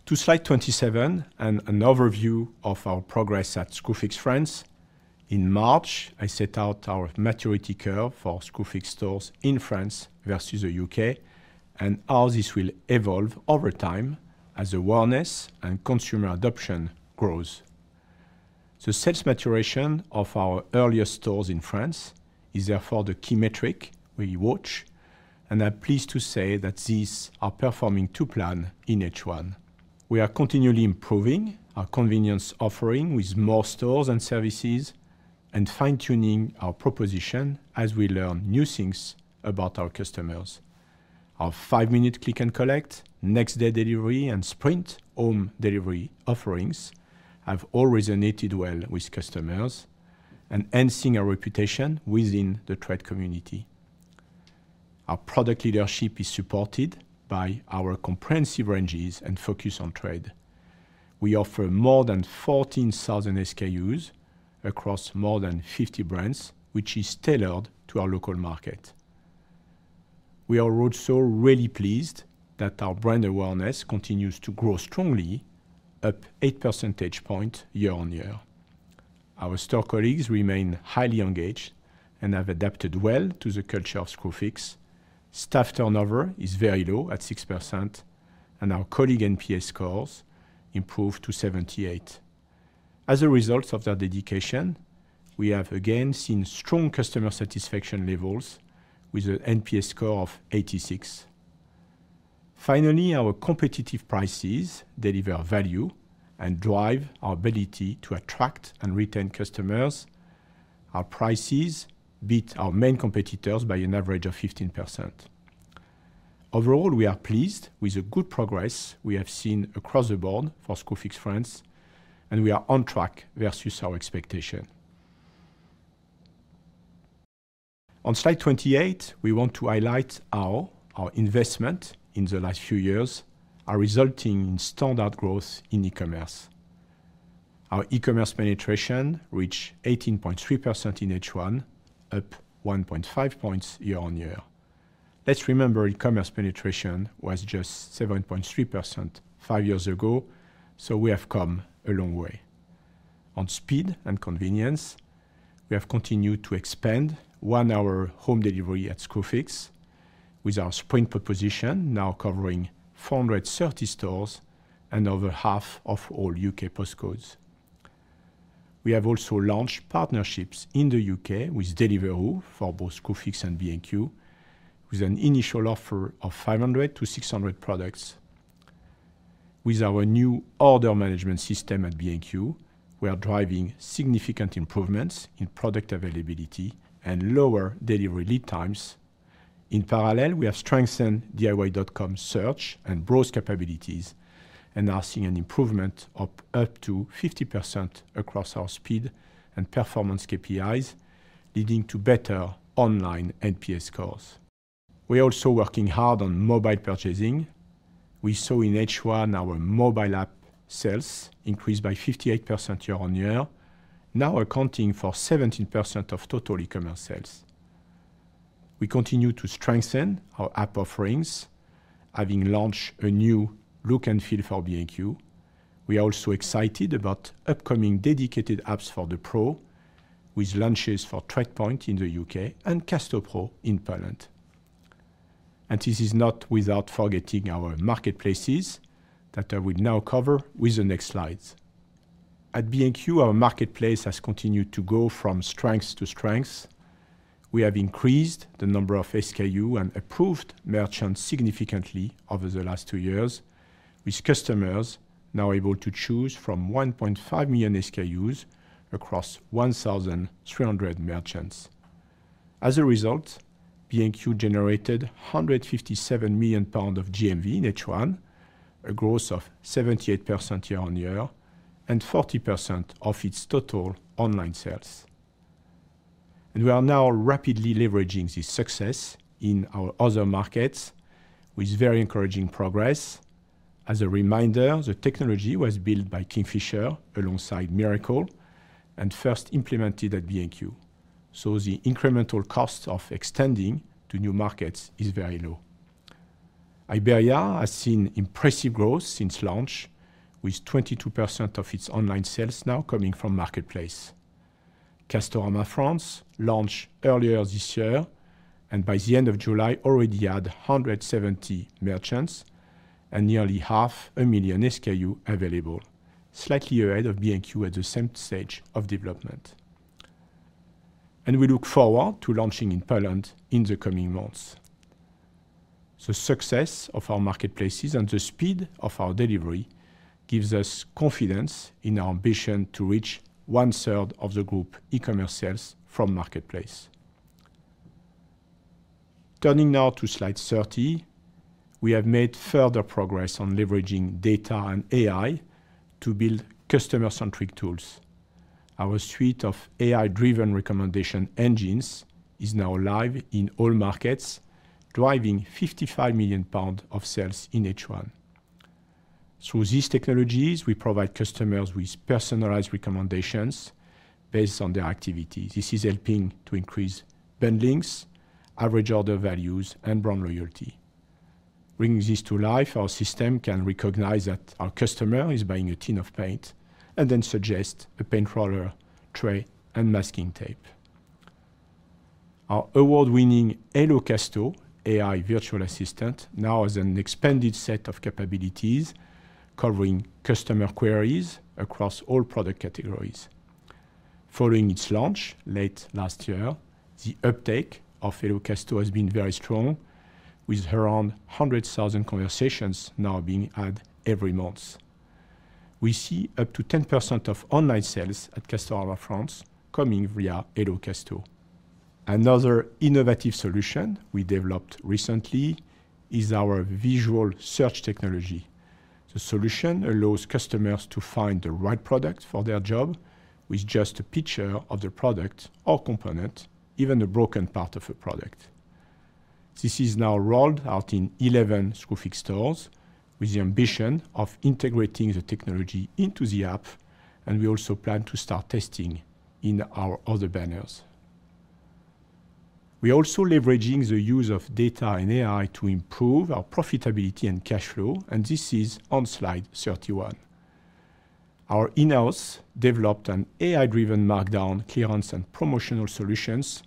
S2: To slide 27, an overview of our progress at Screwfix France. In March, I set out our maturity curve for Screwfix stores in France versus the U.K., and how this will evolve over time as awareness and consumer adoption grows. The sales maturation of our earlier stores in France is therefore the key metric we watch, and I'm pleased to say that these are performing to plan in H1. We are continually improving our convenience offering with more stores and services and fine-tuning our proposition as we learn new things about our customers. Our five-minute click and collect, next-day delivery, and Sprint home delivery offerings have all resonated well with customers and enhancing our reputation within the trade community. Our product leadership is supported by our comprehensive ranges and focus on trade. We offer more than 14,000 SKUs across more than 50 brands, which is tailored to our local market. We are also really pleased that our brand awareness continues to grow strongly, up 8 percentage points year on year. Our store colleagues remain highly engaged and have adapted well to the culture of Screwfix. Staff turnover is very low at 6%, and our colleague NPS scores improved to 78. As a result of that dedication, we have again seen strong customer satisfaction levels with an NPS score of 86. Finally, our competitive prices deliver value and drive our ability to attract and retain customers. Our prices beat our main competitors by an average of 15%. Overall, we are pleased with the good progress we have seen across the board for Screwfix France, and we are on track versus our expectation. On slide 28, we want to highlight how our investment in the last few years are resulting in standout growth in e-commerce. Our e-commerce penetration reached 18.3% in H1, up 1.5 points year on year. Let's remember, e-commerce penetration was just 7.3% five years ago, so we have come a long way. On speed and convenience, we have continued to expand one-hour home delivery at Screwfix, with our Sprint proposition now covering 430 stores and over half of all U.K. postcodes. We have also launched partnerships in the U.K. with Deliveroo for both Screwfix and B&Q, with an initial offer of 500 to 600 products. With our new order management system at B&Q, we are driving significant improvements in product availability and lower delivery lead times. In parallel, we have strengthened DIY.com search and browse capabilities, and are seeing an improvement of up to 50% across our speed and performance KPIs, leading to better online NPS scores. We are also working hard on mobile purchasing. We saw in H1 our mobile app sales increased by 58% year-on-year, now accounting for 17% of total e-commerce sales. We continue to strengthen our app offerings, having launched a new look and feel for B&Q. We are also excited about upcoming dedicated apps for the Pro, with launches for TradePoint in the U.K. and CastoPro in Poland. This is not without forgetting our marketplaces, that I will now cover with the next slides. At B&Q, our marketplace has continued to go from strength to strength. We have increased the number of SKU and approved merchants significantly over the last two years, with customers now able to choose from 1.5 million SKUs across 1,300 merchants. As a result, B&Q generated 157 million pounds of GMV in H1, a growth of 78% year-on-year, and 40% of its total online sales. We are now rapidly leveraging this success in our other markets, with very encouraging progress. As a reminder, the technology was built by Kingfisher alongside Mirakl and first implemented at B&Q, so the incremental cost of extending to new markets is very low. Iberia has seen impressive growth since launch, with 22% of its online sales now coming from Marketplace. Castorama France launched earlier this year, and by the end of July, already had 170 merchants and nearly 500,000 SKUs available, slightly ahead of B&Q at the same stage of development. We look forward to launching in Poland in the coming months. The success of our marketplaces and the speed of our delivery gives us confidence in our ambition to reach one-third of the group e-commerce sales from Marketplace. Turning now to slide 30, we have made further progress on leveraging data and AI to build customer-centric tools. Our suite of AI-driven recommendation engines is now live in all markets, driving 55 million pounds of sales in H1. Through these technologies, we provide customers with personalized recommendations based on their activity. This is helping to increase baskets, average order values, and brand loyalty. Bringing this to life, our system can recognize that our customer is buying a tin of paint and then suggest a paint roller, tray, and masking tape. Our award-winning Hello Casto AI virtual assistant now has an expanded set of capabilities covering customer queries across all product categories. Following its launch late last year, the uptake of Hello Casto has been very strong, with around 100,000 conversations now being had every month. We see up to 10% of online sales at Castorama France coming via Hello Casto. Another innovative solution we developed recently is our visual search technology. The solution allows customers to find the right product for their job with just a picture of the product or component, even a broken part of a product. This is now rolled out in 11 Screwfix stores, with the ambition of integrating the technology into the app, and we also plan to start testing in our other banners. We are also leveraging the use of data and AI to improve our profitability and cash flow, and this is on slide 31. Our in-house-developed AI-driven markdown clearance and promotional solutions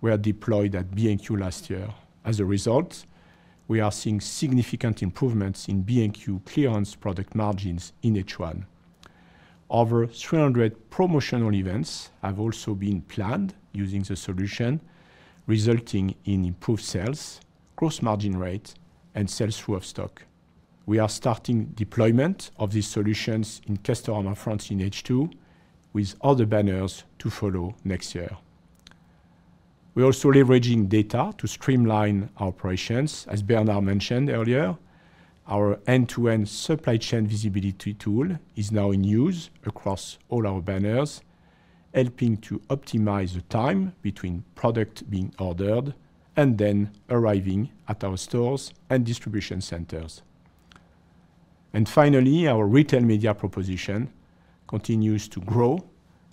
S2: were deployed at B&Q last year. As a result, we are seeing significant improvements in B&Q clearance product margins in H1. Over 300 promotional events have also been planned using the solution, resulting in improved sales, gross margin rate, and sell-through of stock. We are starting deployment of these solutions in Castorama France in H2, with other banners to follow next year. We are also leveraging data to streamline our operations. As Bernard mentioned earlier, our end-to-end supply chain visibility tool is now in use across all our banners, helping to optimize the time between product being ordered and then arriving at our stores and distribution centers. And finally, our retail media proposition continues to grow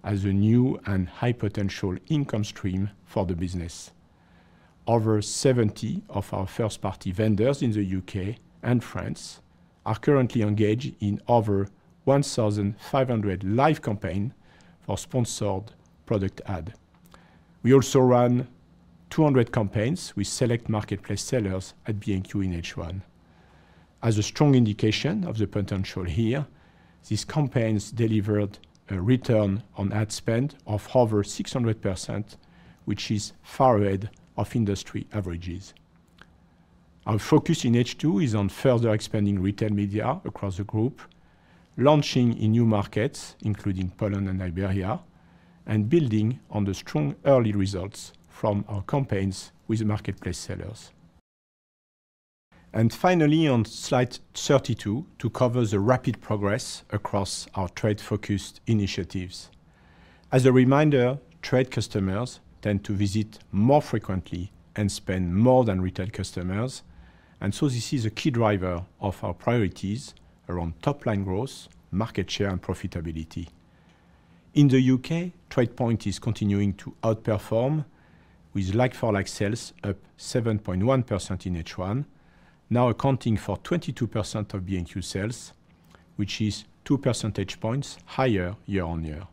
S2: as a new and high-potential income stream for the business. Over 70 of our first-party vendors in the U.K. and France are currently engaged in over 1,500 live campaigns for sponsored product ads. We also ran 200 campaigns with select marketplace sellers at B&Q in H1. As a strong indication of the potential here. These campaigns delivered a return on ad spend of over 600%, which is far ahead of industry averages. Our focus in H2 is on further expanding retail media across the group, launching in new markets, including Poland and Iberia, and building on the strong early results from our campaigns with marketplace sellers. And finally, on slide 32, to cover the rapid progress across our trade-focused initiatives. As a reminder, trade customers tend to visit more frequently and spend more than retail customers, and so this is a key driver of our priorities around top-line growth, market share, and profitability. In the U.K., TradePoint is continuing to outperform, with like-for-like sales up 7.1% in H1, now accounting for 22% of B&Q sales, which is two percentage points higher year-on-year.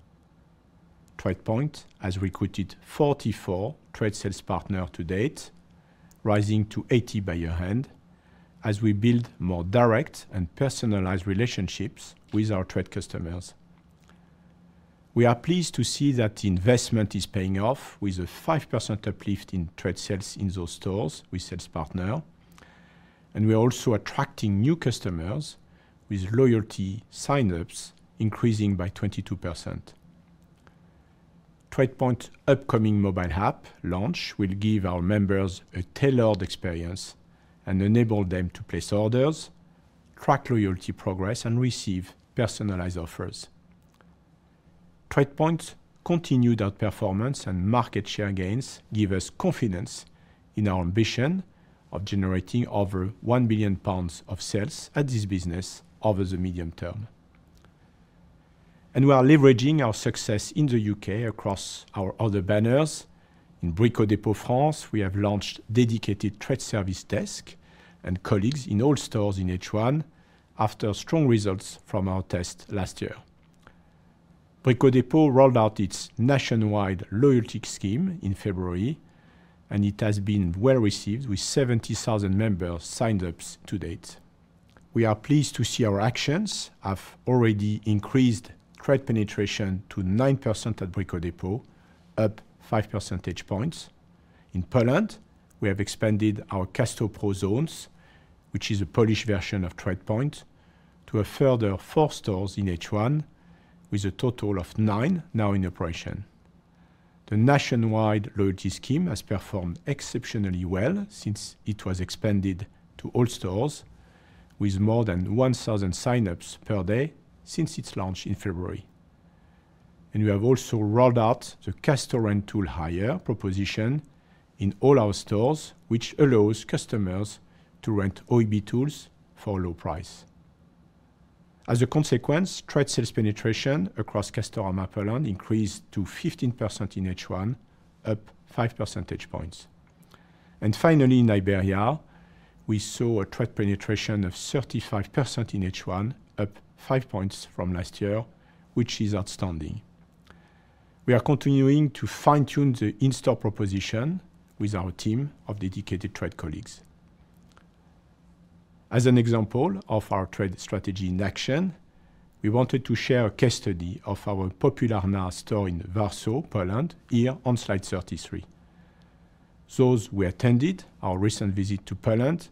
S2: TradePoint has recruited 44 trade sales partner to date, rising to 80 by year-end, as we build more direct and personalized relationships with our trade customers. We are pleased to see that investment is paying off with a 5% uplift in trade sales in those stores with sales partner, and we are also attracting new customers with loyalty sign-ups increasing by 22%. TradePoint upcoming mobile app launch will give our members a tailored experience and enable them to place orders, track loyalty progress, and receive personalized offers. TradePoint continued outperformance and market share gains give us confidence in our ambition of generating over 1 billion pounds of sales at this business over the medium term, and we are leveraging our success in the U.K. across our other banners. In Brico Dépôt France, we have launched dedicated trade service desk and colleagues in all stores in H1 after strong results from our test last year. Brico Dépôt rolled out its nationwide loyalty scheme in February, and it has been well received, with 70,000 members signed up to date. We are pleased to see our actions have already increased trade penetration to 9% at Brico Dépôt, up five percentage points. In Poland, we have expanded our CastoPro Zones, which is a Polish version of TradePoint, to a further 4 stores in H1, with a total of nine now in operation. The nationwide loyalty scheme has performed exceptionally well since it was expanded to all stores, with more than 1,000 sign-ups per day since its launch in February. And we have also rolled out the Casto Rental Hire proposition in all our stores, which allows customers to rent OEB tools for a low price. As a consequence, trade sales penetration across Castorama Poland increased to 15% in H1, up five percentage points, and finally, in Iberia, we saw a trade penetration of 35% in H1, up five points from last year, which is outstanding. We are continuing to fine-tune the in-store proposition with our team of dedicated trade colleagues. As an example of our trade strategy in action, we wanted to share a case study of our Popularna store in Warsaw, Poland, here on slide 33. Those who attended our recent visit to Poland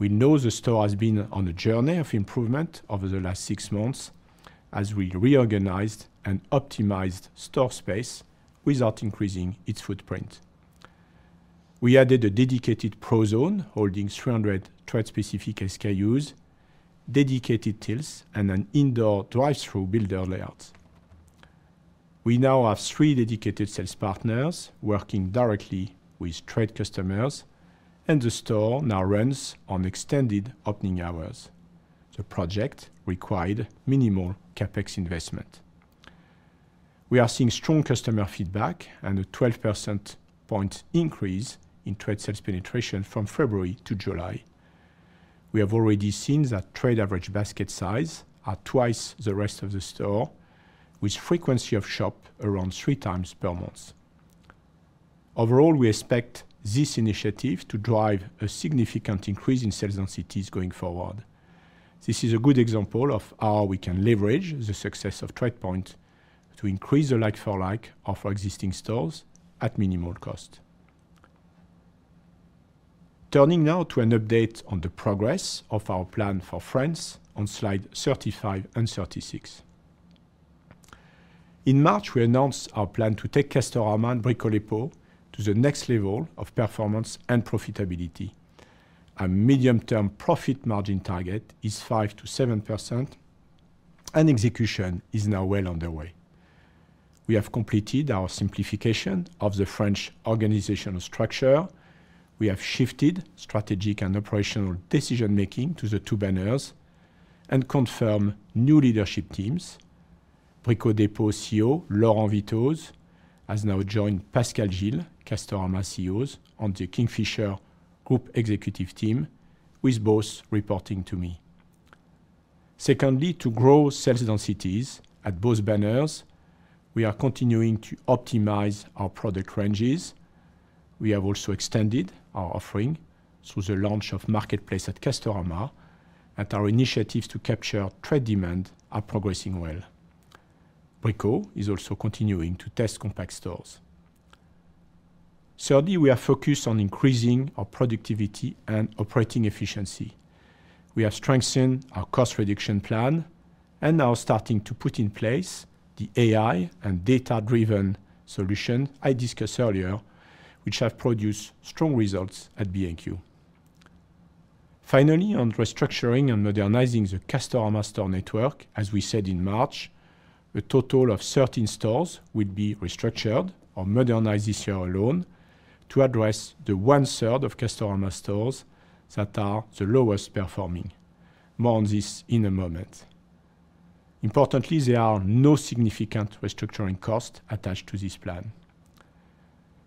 S2: know the store has been on a journey of improvement over the last six months as we reorganized and optimized store space without increasing its footprint. We added a dedicated CastoPro holding 300 trade-specific SKUs, dedicated tills, and an indoor drive-through builder layout. We now have three dedicated sales partners working directly with trade customers, and the store now runs on extended opening hours. The project required minimal CapEx investment. We are seeing strong customer feedback and a 12 percentage point increase in trade sales penetration from February to July. We have already seen that trade average basket size are twice the rest of the store, with frequency of shop around three times per month. Overall, we expect this initiative to drive a significant increase in sales densities going forward. This is a good example of how we can leverage the success of TradePoint to increase the like-for-like of our existing stores at minimal cost. Turning now to an update on the progress of our plan for France on slide 35 and 36. In March, we announced our plan to take Castorama and Brico Dépôt to the next level of performance and profitability. Our medium-term profit margin target is 5%-7%, and execution is now well underway. We have completed our simplification of the French organizational structure. We have shifted strategic and operational decision-making to the two banners and confirmed new leadership teams. Brico Dépôt CEO Laurent Vittoz has now joined Pascal Gil, Castorama CEO, on the Kingfisher Group executive team, with both reporting to me. Secondly, to grow sales densities at both banners, we are continuing to optimize our product ranges. We have also extended our offering through the launch of Marketplace at Castorama, and our initiatives to capture trade demand are progressing well. Brico is also continuing to test compact stores. Thirdly, we are focused on increasing our productivity and operating efficiency. We have strengthened our cost reduction plan and now starting to put in place the AI and data-driven solution I discussed earlier, which have produced strong results at B&Q. Finally, on restructuring and modernizing the Castorama store network, as we said in March, a total of 13 stores will be restructured or modernized this year alone to address the one-third of Castorama stores that are the lowest performing. More on this in a moment. Importantly, there are no significant restructuring costs attached to this plan.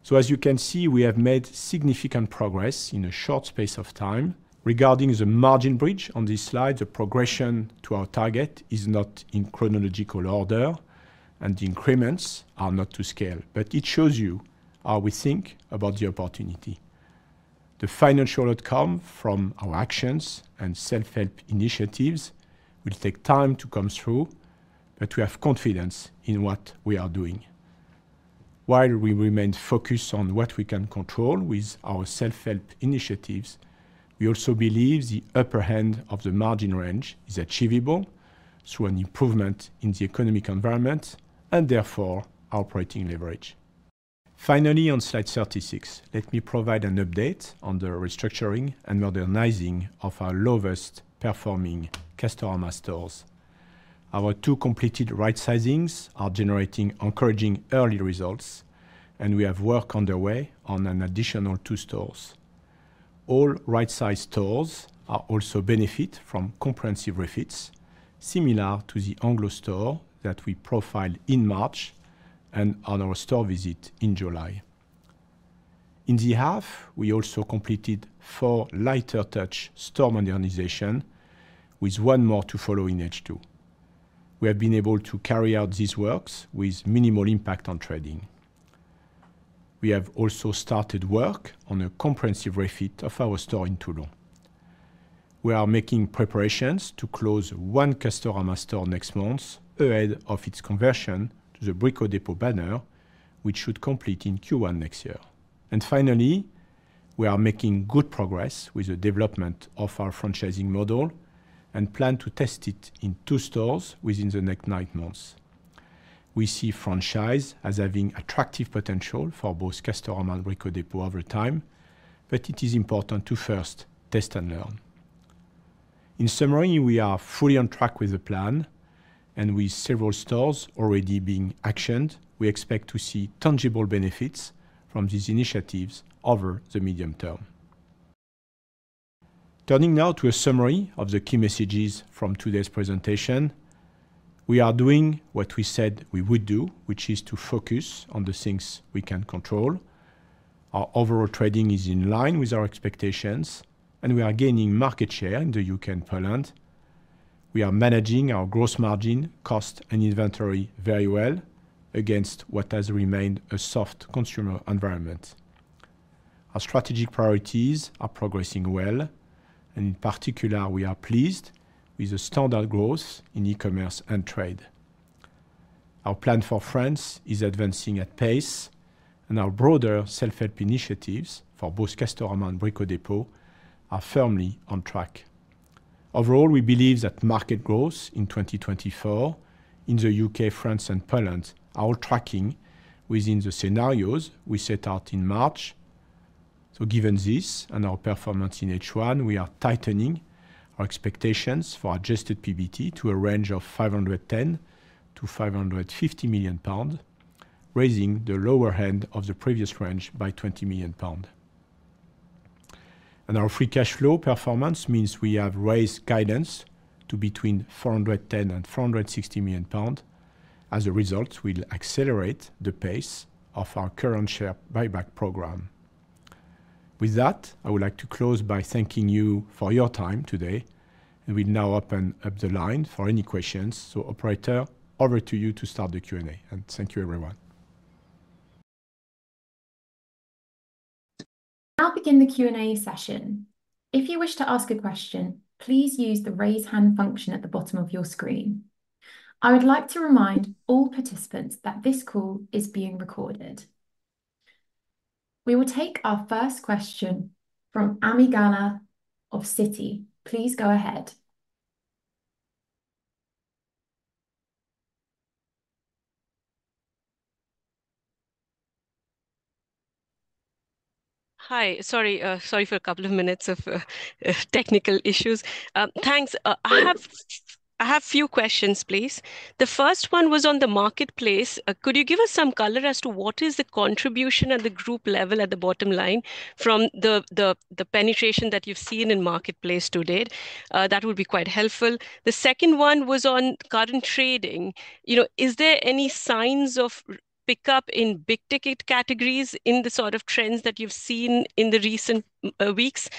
S2: So as you can see, we have made significant progress in a short space of time. Regarding the margin bridge on this slide, the progression to our target is not in chronological order and the increments are not to scale, but it shows you how we think about the opportunity. The financial outcome from our actions and self-help initiatives will take time to come through, but we have confidence in what we are doing. While we remain focused on what we can control with our self-help initiatives, we also believe the upper hand of the margin range is achievable through an improvement in the economic environment and therefore our operating leverage. Finally, on slide 36, let me provide an update on the restructuring and modernizing of our lowest performing Castorama stores. Our two completed right sizings are generating encouraging early results, and we have work underway on an additional two stores. All right-size stores also benefit from comprehensive refits, similar to the Angoulême store that we profiled in March and on our store visit in July. In the half, we also completed four lighter touch store modernizations, with one more to follow in H2. We have been able to carry out these works with minimal impact on trading. We have also started work on a comprehensive refit of our store in Toulon. We are making preparations to close one Castorama store next month ahead of its conversion to the Brico Dépôt banner, which should complete in Q1 next year. And finally, we are making good progress with the development of our franchising model and plan to test it in two stores within the next nine months. We see franchise as having attractive potential for both Castorama and Brico Dépôt over time, but it is important to first test and learn. In summary, we are fully on track with the plan and with several stores already being actioned, we expect to see tangible benefits from these initiatives over the medium term. Turning now to a summary of the key messages from today's presentation, we are doing what we said we would do, which is to focus on the things we can control. Our overall trading is in line with our expectations, and we are gaining market share in the U.K. and Poland. We are managing our gross margin, cost, and inventory very well against what has remained a soft consumer environment. Our strategic priorities are progressing well, and in particular, we are pleased with the standard growth in e-commerce and trade. Our plan for France is advancing at pace, and our broader self-help initiatives for both Castorama and Brico Dépôt are firmly on track. Overall, we believe that market growth in twenty twenty-four in the U.K., France, and Poland are tracking within the scenarios we set out in March. Given this and our performance in H1, we are tightening our expectations for adjusted PBT to a range of 510 million-550 million pounds, raising the lower end of the previous range by 20 million pounds. Our free cash flow performance means we have raised guidance to between 410 million and 460 million pounds. As a result, we'll accelerate the pace of our current share buyback program. With that, I would like to close by thanking you for your time today, and we now open up the line for any questions. Operator, over to you to start the Q&A, and thank you, everyone.
S1: I'll begin the Q&A session. If you wish to ask a question, please use the raise hand function at the bottom of your screen. I would like to remind all participants that this call is being recorded. We will take our first question from Ami Galla of Citi. Please go ahead.
S4: Hi. Sorry, sorry for a couple of minutes of technical issues. Thanks. I have a few questions, please. The first one was on the marketplace. Could you give us some color as to what is the contribution at the group level, at the bottom line from the penetration that you've seen in marketplace to date? That would be quite helpful. The second one was on current trading. You know, is there any signs of pickup in big-ticket categories in the sort of trends that you've seen in the recent weeks?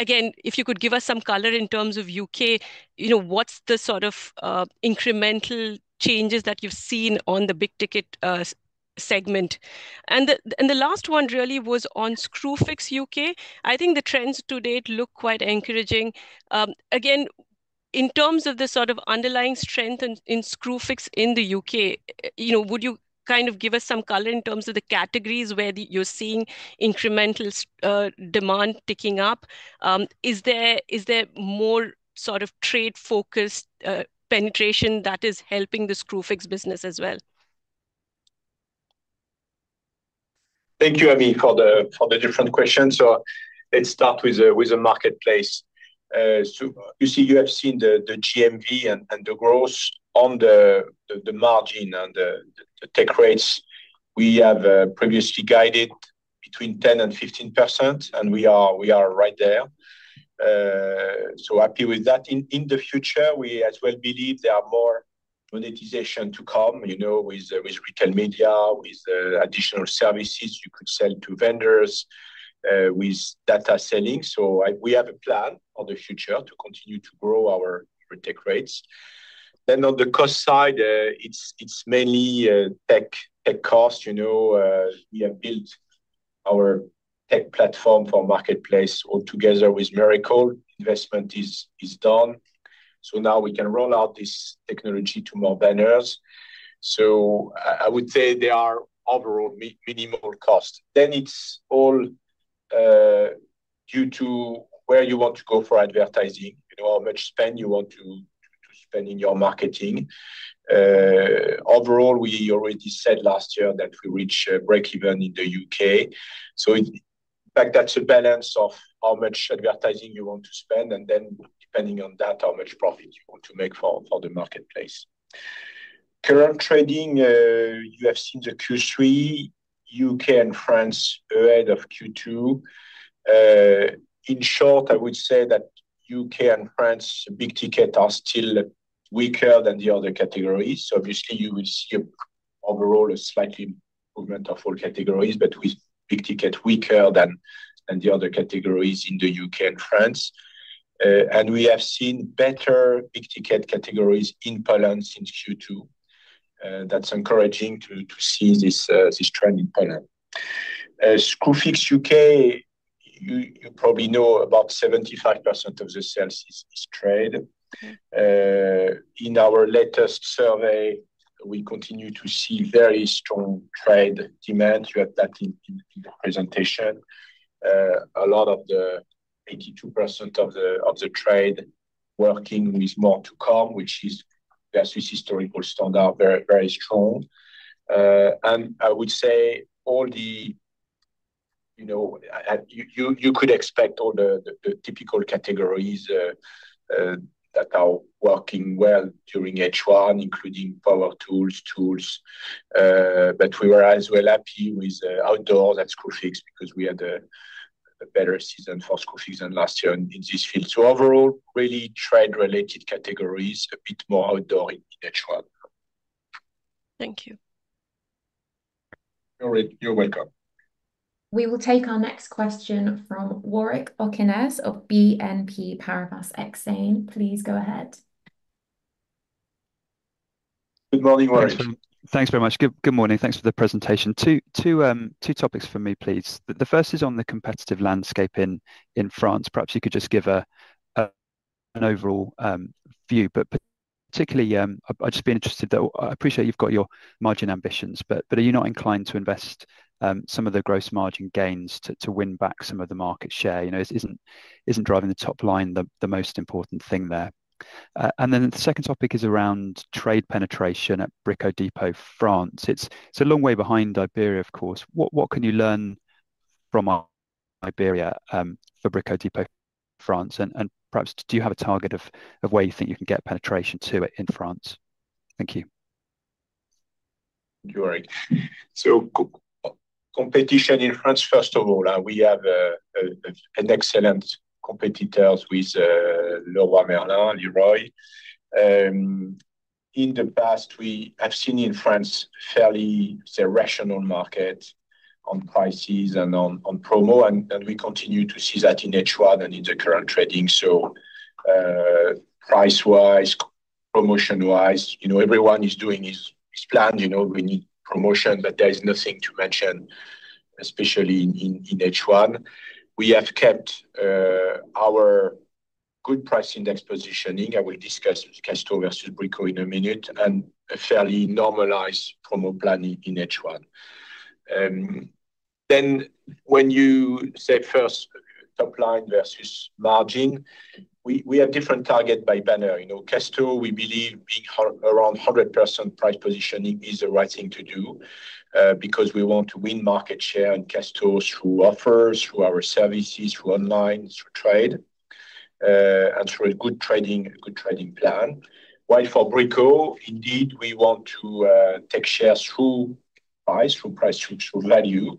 S4: Again, if you could give us some color in terms of U.K., you know, what's the sort of incremental changes that you've seen on the big-ticket space? Segment. And the last one really was on Screwfix U.K.. I think the trends to date look quite encouraging. Again, in terms of the sort of underlying strength in Screwfix in the U.K., you know, would you kind of give us some color in terms of the categories where you're seeing incremental demand ticking up? Is there more sort of trade-focused penetration that is helping the Screwfix business as well?
S2: Thank you, Ami, for the different questions. So let's start with the marketplace. So you see, you have seen the GMV and the growth on the margin and the take rates. We have previously guided between 10% and 15%, and we are right there. So happy with that. In the future, we as well believe there are more monetization to come, you know, with retail media, with additional services you could sell to vendors, with data selling. So we have a plan for the future to continue to grow our take rates. Then on the cost side, it's mainly tech cost. You know, we have built our tech platform for marketplace all together with Mirakl. Investment is done. So now we can roll out this technology to more vendors. I would say they are overall minimal cost. Then it's all due to where you want to go for advertising, you know, how much spend you want to spend in your marketing. Overall, we already said last year that we reach breakeven in the U.K.. In fact, that's a balance of how much advertising you want to spend, and then, depending on that, how much profit you want to make for the marketplace. Current trading, you have seen the Q3, U.K. and France ahead of Q2. In short, I would say that U.K. and France, big-ticket are still weaker than the other categories. So obviously, you will see overall a slight improvement of all categories, but with big ticket weaker than the other categories in the U.K. and France. And we have seen better big ticket categories in Poland since Q2. That's encouraging to see this trend in Poland. Screwfix U.K., you probably know about 75% of the sales is trade. In our latest survey, we continue to see very strong trade demand. You have that in the presentation. A lot of the 82% of the trade working with more to come, which is versus historical standard, very, very strong. And I would say all the... You know, you could expect all the typical categories that are working well during H1, including power tools, tools. But we were as well happy with outdoor at Screwfix because we had a better season for Screwfix than last year in this field. So overall, really trade-related categories, a bit more outdoor in H1.
S4: Thank you.
S2: You're welcome.
S1: We will take our next question from Warwick Okines of BNP Paribas Exane. Please go ahead.
S2: Good morning, Warwick.
S5: Thanks very much. Good morning. Thanks for the presentation. Two topics for me, please. The first is on the competitive landscape in France. Perhaps you could just give an overall view, but particularly, I'd just be interested, though, I appreciate you've got your margin ambitions, but are you not inclined to invest some of the gross margin gains to win back some of the market share? You know, isn't driving the top line the most important thing there. And then the second topic is around trade penetration at Brico Dépôt France. It's a long way behind Iberia, of course. What can you learn from Iberia for Brico Dépôt France? And perhaps, do you have a target of where you think you can get penetration to it in France? Thank you.
S2: Thank you, Warwick. So competition in France, first of all, we have excellent competitors with Leroy Merlin, Leroy. In the past, we have seen in France, fairly, say, rational market on prices and on promo, and we continue to see that in H1 and in the current trading. So, price-wise, promotion-wise, you know, everyone is doing his plan. You know, we need promotion, but there is nothing to mention, especially in H1. We have kept our good price index positioning. I will discuss Castorama versus Brico Dépôt in a minute, and a fairly normalized promo planning in H1. Then when you say first top line versus margin, we have different target by banner. You know, Castorama, we believe being hard around 100% price positioning is the right thing to do, because we want to win market share and Castorama through offers, through our services, through online, through trade, and through a good trading plan. While for Brico Dépôt, indeed, we want to take shares through price, through value.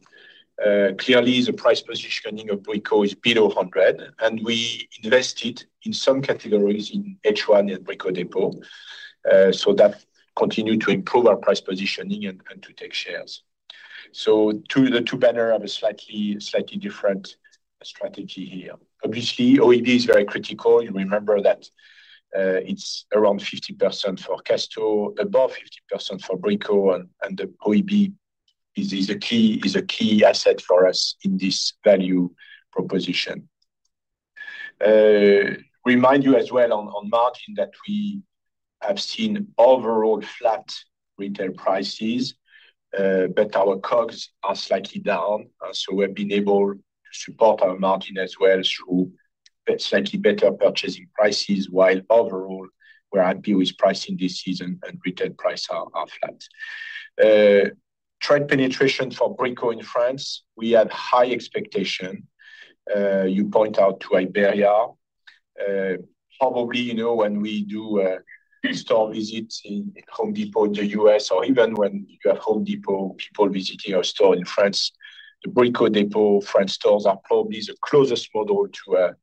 S2: Clearly, the price positioning of Brico Dépôt is below 100%, and we invested in some categories in H1 at Brico Dépôt, so that continue to improve our price positioning and to take shares. So the two banners have a slightly different strategy here. Obviously, OIB is very critical. You remember that, it's around 50% for Castorama, above 50% for Brico Dépôt, and the OIB is a key asset for us in this value proposition. Remind you as well on margin, that we have seen overall flat retail prices, but our COGS are slightly down. So we've been able to support our margin as well through slightly better purchasing prices, while overall, we're happy with pricing this season and retail price are flat. Trade penetration for Brico in France, we had high expectation. You point out to Iberia. Probably, you know, when we do a store visit in Home Depot in the U.S., or even when you have Home Depot people visiting our store in France, the Brico Dépôt French stores are probably the closest model to a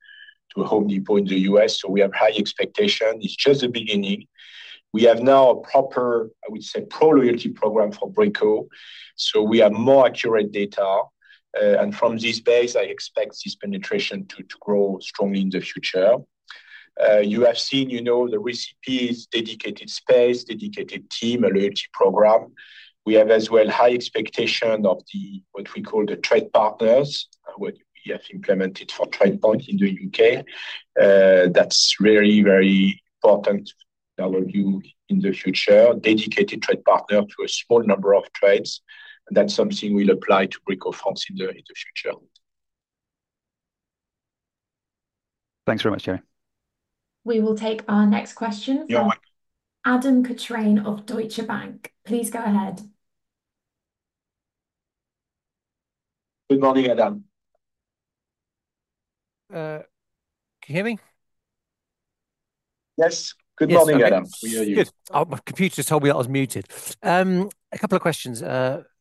S2: Home Depot in the U.S., so we have high expectation. It's just the beginning. We have now a proper, I would say, pro-loyalty program for Brico, so we have more accurate data, and from this base, I expect this penetration to grow strongly in the future. You have seen, you know, the recipe is dedicated space, dedicated team, a loyalty program. We have as well high expectation of the, what we call the trade partners, what we have implemented for TradePoint in the U.K.. That's very, very important to our view in the future, dedicated trade partner to a small number of trades, and that's something we'll apply to Brico France in the future.
S5: Thanks very much, Thierry.
S1: We will take our next question-
S2: You are welcome.
S1: Adam Cochrane of Deutsche Bank, please go ahead.
S2: Good morning, Adam.
S6: Can you hear me?
S2: Yes. Good morning, Adam.
S6: Yes, okay.
S2: We hear you.
S6: Good. My computer just told me I was muted. A couple of questions.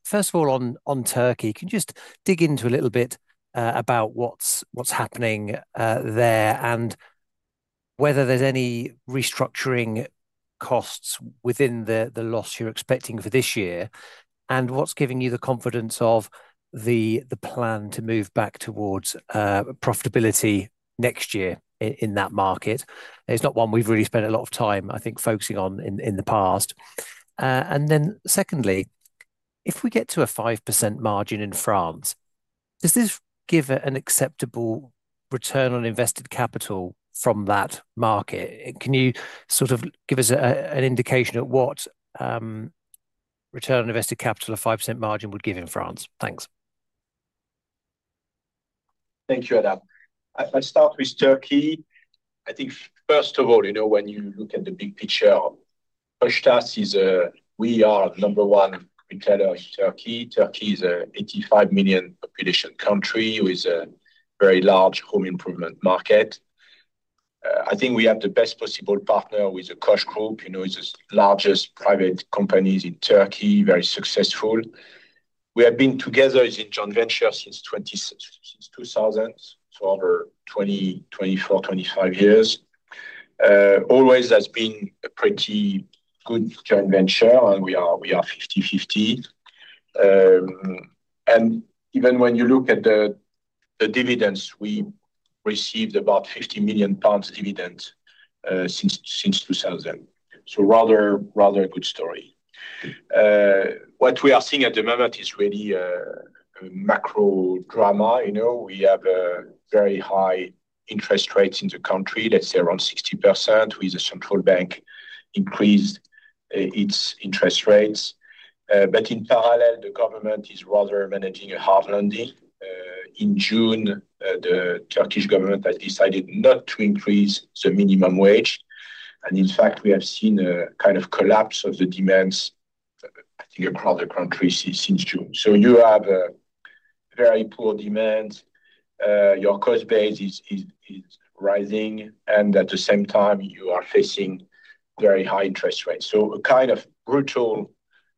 S6: First of all, on Turkey, can you just dig into a little bit about what's happening there, and whether there's any restructuring costs within the loss you're expecting for this year? And what's giving you the confidence of the plan to move back towards profitability next year in that market? It's not one we've really spent a lot of time, I think, focusing on in the past. And then secondly, if we get to a 5% margin in France, does this give an acceptable return on invested capital from that market? Can you sort of give us an indication at what return on invested capital a 5% margin would give in France? Thanks.
S2: Thank you, Adam. I'll start with Turkey. I think first of all, you know, when you look at the big picture, Koçtaş is a we are number one retailer in Turkey. Turkey is an 85 million population country, with a very large home improvement market. I think we have the best possible partner with the Koç Group, you know, it's the largest private companies in Turkey, very successful. We have been together as a joint venture since 2000, so over 24, 25 years. Always has been a pretty good joint venture, and we are 50-50. And even when you look at the dividends, we received about 50 million pounds dividend since 2000. So rather a good story. What we are seeing at the moment is really a macro drama. You know, we have a very high interest rates in the country, let's say around 60%, with the central bank increased its interest rates. But in parallel, the government is rather managing a hard landing. In June, the Turkish government has decided not to increase the minimum wage, and in fact, we have seen a kind of collapse of the demands, I think, across the country since June. So you have a very poor demand, your cost base is rising, and at the same time, you are facing very high interest rates. So a kind of brutal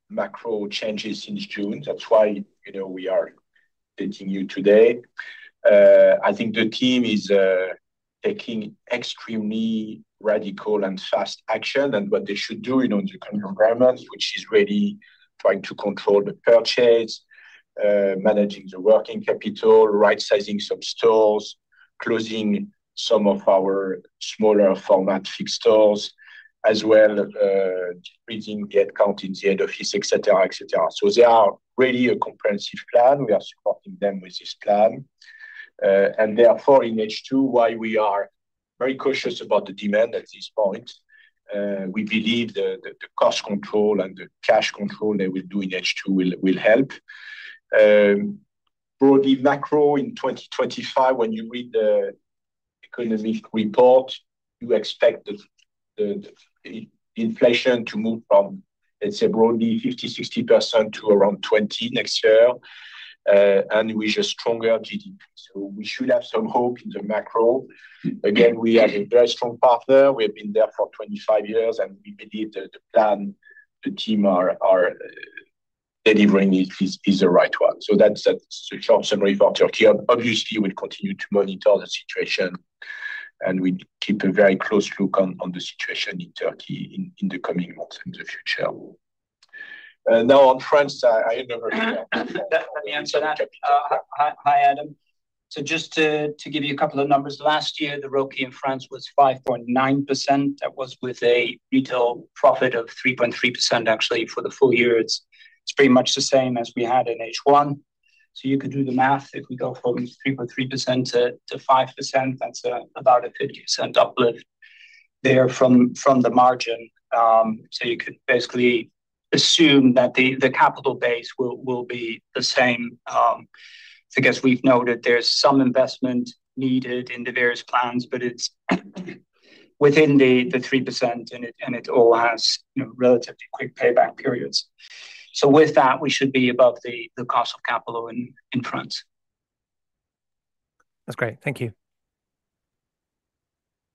S2: macro changes since June. That's why, you know, we are getting you today. I think the team is taking extremely radical and fast action, and what they should do in, on the current environment, which is really trying to control the purchase, managing the working capital, right-sizing some stores, closing some of our smaller format fixed stores, as well, reducing the head count in the head office, et cetera, et cetera. So they are really a comprehensive plan. We are supporting them with this plan, and therefore, in H2, while we are very cautious about the demand at this point, we believe the cost control and the cash control they will do in H2 will help. Broadly, macro in 2025, when you read the Economist report, you expect the inflation to move from, let's say, broadly 50-60% to around 20% next year, and with a stronger GDP. So we should have some hope in the macro. Again, we have a very strong partner. We have been there for 25 years, and we believe that the plan the team are delivering is the right one. So that's a short summary for Turkey. Obviously, we'll continue to monitor the situation and we keep a very close look on the situation in Turkey in the coming months in the future. Now, on France, I remember-
S3: Let me answer that. Hi, Adam. So just to give you a couple of numbers, last year, the ROCE in France was 5.9%. That was with a retail profit of 3.3% actually for the full year. It's pretty much the same as we had in H1. So you could do the math. If we go from 3.3% to 5%, that's about a 50% uplift there from the margin. So you could basically assume that the capital base will be the same. I guess we've noted there's some investment needed in the various plans, but it's within the 3%, and it all has, you know, relatively quick payback periods. So with that, we should be above the cost of capital in France.
S6: That's great. Thank you.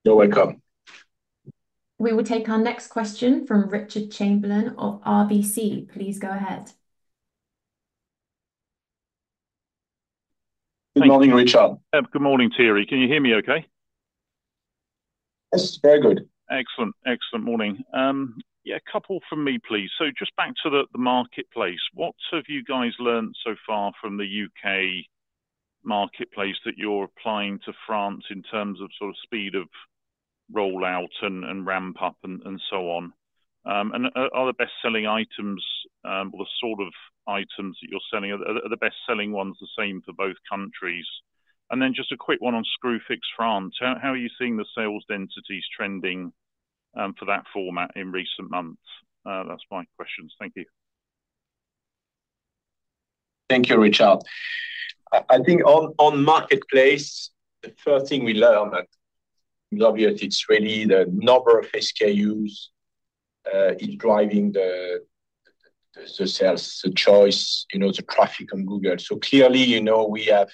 S3: You're welcome.
S1: We will take our next question from Richard Chamberlain of RBC. Please go ahead.
S2: Good morning, Richard.
S7: Good morning, Thierry. Can you hear me okay?
S2: Yes, very good.
S7: Excellent. Excellent. Morning. Yeah, a couple from me, please. So just back to the marketplace, what have you guys learned so far from the UK marketplace that you're applying to France in terms of sort of speed of rollout and ramp up, and so on? And are the best-selling items, or the sort of items that you're selling, the best-selling ones the same for both countries? And then just a quick one on Screwfix France. How are you seeing the sales densities trending, for that format in recent months? That's my questions. Thank you.
S2: Thank you, Richard. I think on marketplace, the first thing we learned, obviously, it's really the number of SKUs is driving the sales, the choice, you know, the traffic on Google. So clearly, you know, we have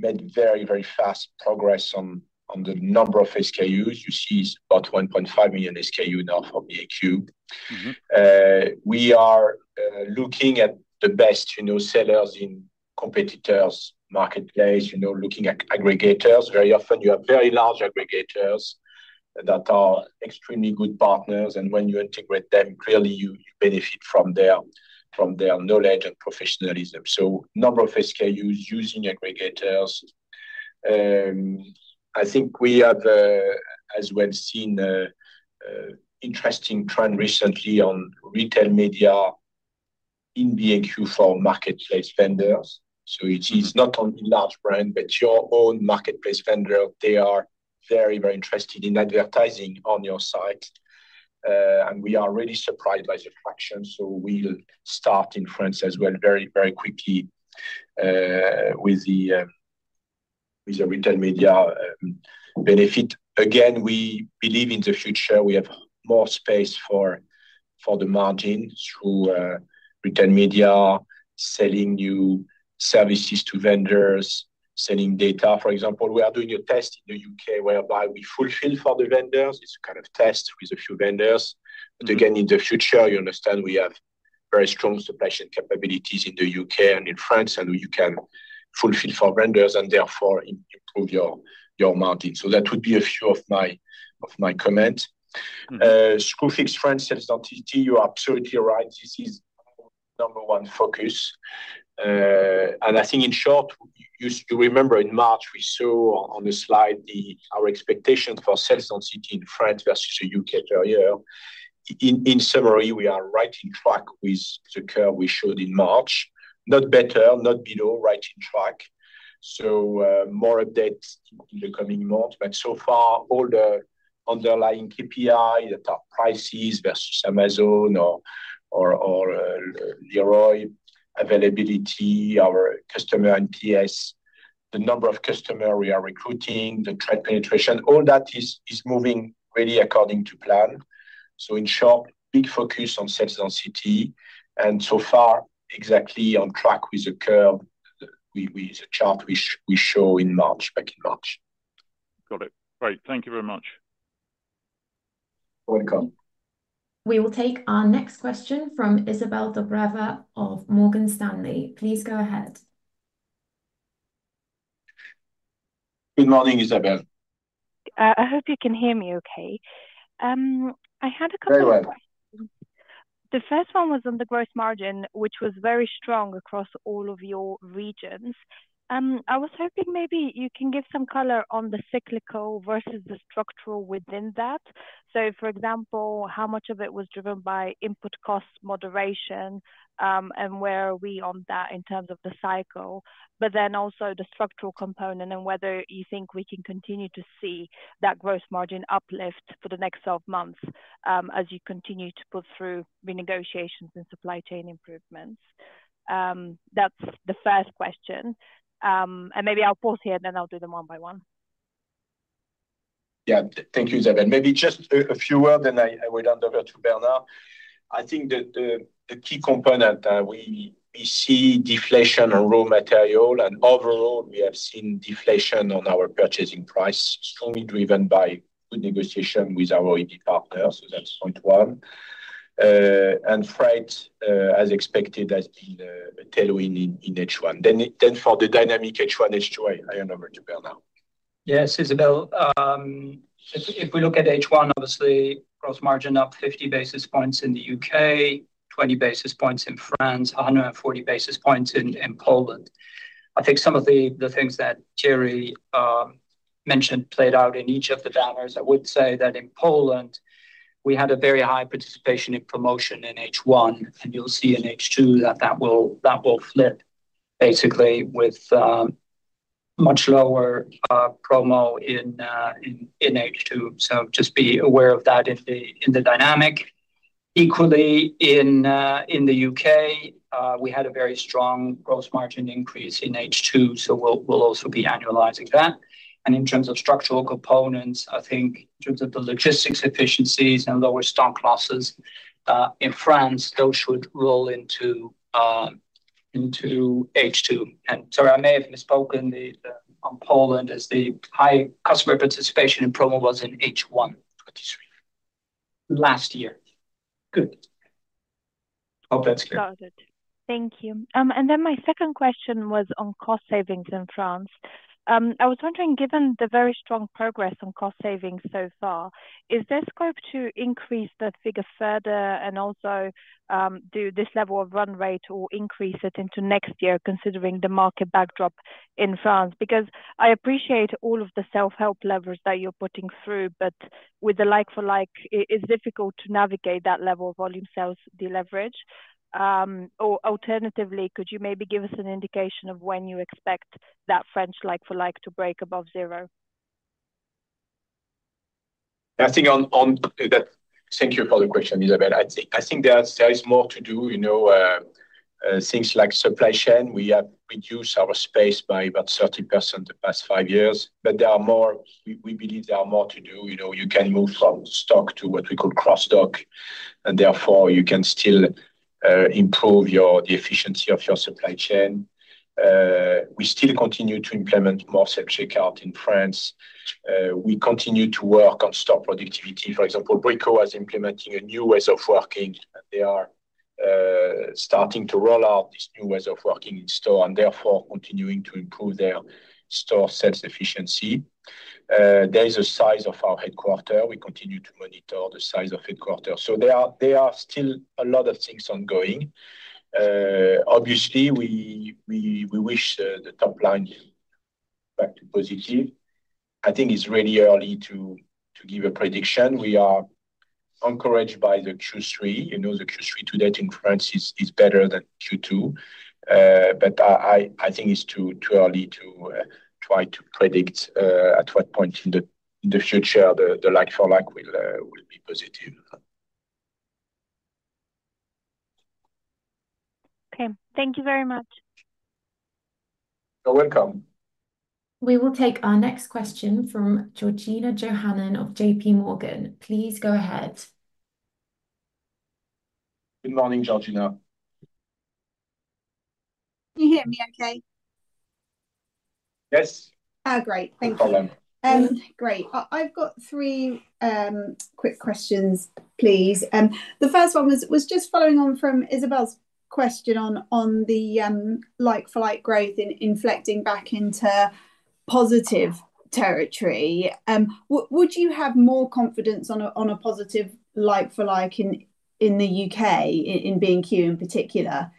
S2: made very, very fast progress on the number of SKUs. You see, it's about 1.5 million SKUs now from the get-go.
S7: Mm-hmm.
S2: We are looking at the best, you know, sellers in competitors' marketplace, you know, looking at aggregators. Very often, you have very large aggregators that are extremely good partners, and when you integrate them, clearly, you benefit from their knowledge and professionalism. So number of SKUs using aggregators. I think we have as well seen an interesting trend recently on retail media in B&Q for marketplace vendors. So it is not only large brand, but your own marketplace vendor, they are very, very interested in advertising on your site. And we are really surprised by the traction, so we'll start in France as well, very, very quickly, with the retail media benefit. Again, we believe in the future, we have more space for the margin through retail media, selling new services to vendors, selling data. For example, we are doing a test in the U.K. whereby we fulfill for the vendors. It's a kind of test with a few vendors. But again, in the future, you understand we have very strong supply chain capabilities in the U.K. and in France, and you can fulfill for vendors and therefore improve your margin. So that would be a few of my comments.
S7: Mm-hmm.
S2: Screwfix France sales density, you are absolutely right. This is number one focus. And I think in short, you remember in March, we saw on the slide our expectation for sales density in France versus the U.K. earlier. In summary, we are right on track with the curve we showed in March. Not better, not below, right on track. So, more updates in the coming months. But so far, all the underlying KPI, the top prices versus Amazon or Leroy availability, our customer NPS, the number of customer we are recruiting, the trade penetration, all that is moving really according to plan. So in short, big focus on sales on CT, and so far, exactly on track with the curve, with the chart we showed in March, back in March.
S7: Got it. Great. Thank you very much.
S2: You're welcome.
S1: We will take our next question from Izabel Dobreva of Morgan Stanley. Please go ahead.
S2: Good morning, Izabel.
S8: I hope you can hear me okay. I had a couple of questions-
S2: Very well.
S8: The first one was on the gross margin, which was very strong across all of your regions. I was hoping maybe you can give some color on the cyclical versus the structural within that, so for example, how much of it was driven by input cost moderation, and where are we on that in terms of the cycle, but then also the structural component and whether you think we can continue to see that gross margin uplift for the next 12 months, as you continue to push through renegotiations and supply chain improvements. That's the first question, and maybe I'll pause here, and then I'll do them one by one.
S2: Yeah. Thank you, Izabel. Maybe just a few words, and I will hand over to Bernard. I think the key component, we see deflation on raw material, and overall, we have seen deflation on our purchasing price, strongly driven by good negotiation with our key partner. So that's point one. And freight, as expected, has been tailwind in H1. Then for the dynamic H1, H2, I hand over to Bernard now.
S3: Yes, Izabel, if we look at H1, obviously, gross margin up 50 basis points in the U.K., 20 basis points in France, 140 basis points in Poland. I think some of the things that Thierry mentioned played out in each of the markets. I would say that in Poland, we had a very high participation in promotion in H1, and you'll see in H2 that that will flip, basically, with much lower promo in H2. So just be aware of that in the dynamic. Equally, in the U.K., we had a very strong gross margin increase in H2, so we'll also be annualizing that. And in terms of structural components, I think in terms of the logistics efficiencies and lower stock losses in France, those should roll into H2. And sorry, I may have misspoken on Poland, as the high customer participation in promo was in H1, 2023. Last year.
S8: Good.
S3: Hope that's clear.
S8: Got it. Thank you. And then my second question was on cost savings in France. I was wondering, given the very strong progress on cost savings so far, is there scope to increase that figure further and also, do this level of run rate or increase it into next year, considering the market backdrop in France? Because I appreciate all of the self-help levers that you're putting through, but with the like-for-like, it is difficult to navigate that level of volume sales deleverage. Or alternatively, could you maybe give us an indication of when you expect that French like-for-like to break above zero?
S2: I think on that. Thank you for the question, Izabel. I think there is more to do, you know, things like supply chain. We have reduced our space by about 30% the past five years, but there are more. We believe there are more to do. You know, you can move from stock to what we call cross-dock, and therefore, you can still improve the efficiency of your supply chain. We still continue to implement more self-checkout in France. We continue to work on stock productivity. For example, Brico is implementing a new ways of working. They are starting to roll out this new ways of working in store and therefore, continuing to improve their store sales efficiency. There is a size of our headquarter. We continue to monitor the size of headquarters. So there are still a lot of things ongoing. Obviously, we wish the top line back to positive. I think it's really early to give a prediction. We are encouraged by the Q3. You know, the Q3 to date in France is better than Q2. But I think it's too early to try to predict at what point in the future the like-for-like will be positive.
S8: Okay. Thank you very much.
S2: You're welcome.
S1: We will take our next question from Georgina Johanan of JPMorgan. Please go ahead.
S2: Good morning, Georgina.
S9: Can you hear me okay?
S2: Yes.
S9: Oh, great. Thank you.
S2: No problem.
S9: Great. I've got three quick questions, please. The first one was just following on from Izabel's question on the like-for-like growth in inflecting back into positive territory. Would you have more confidence on a positive like-for-like in theU.K., in B&Q, in particular,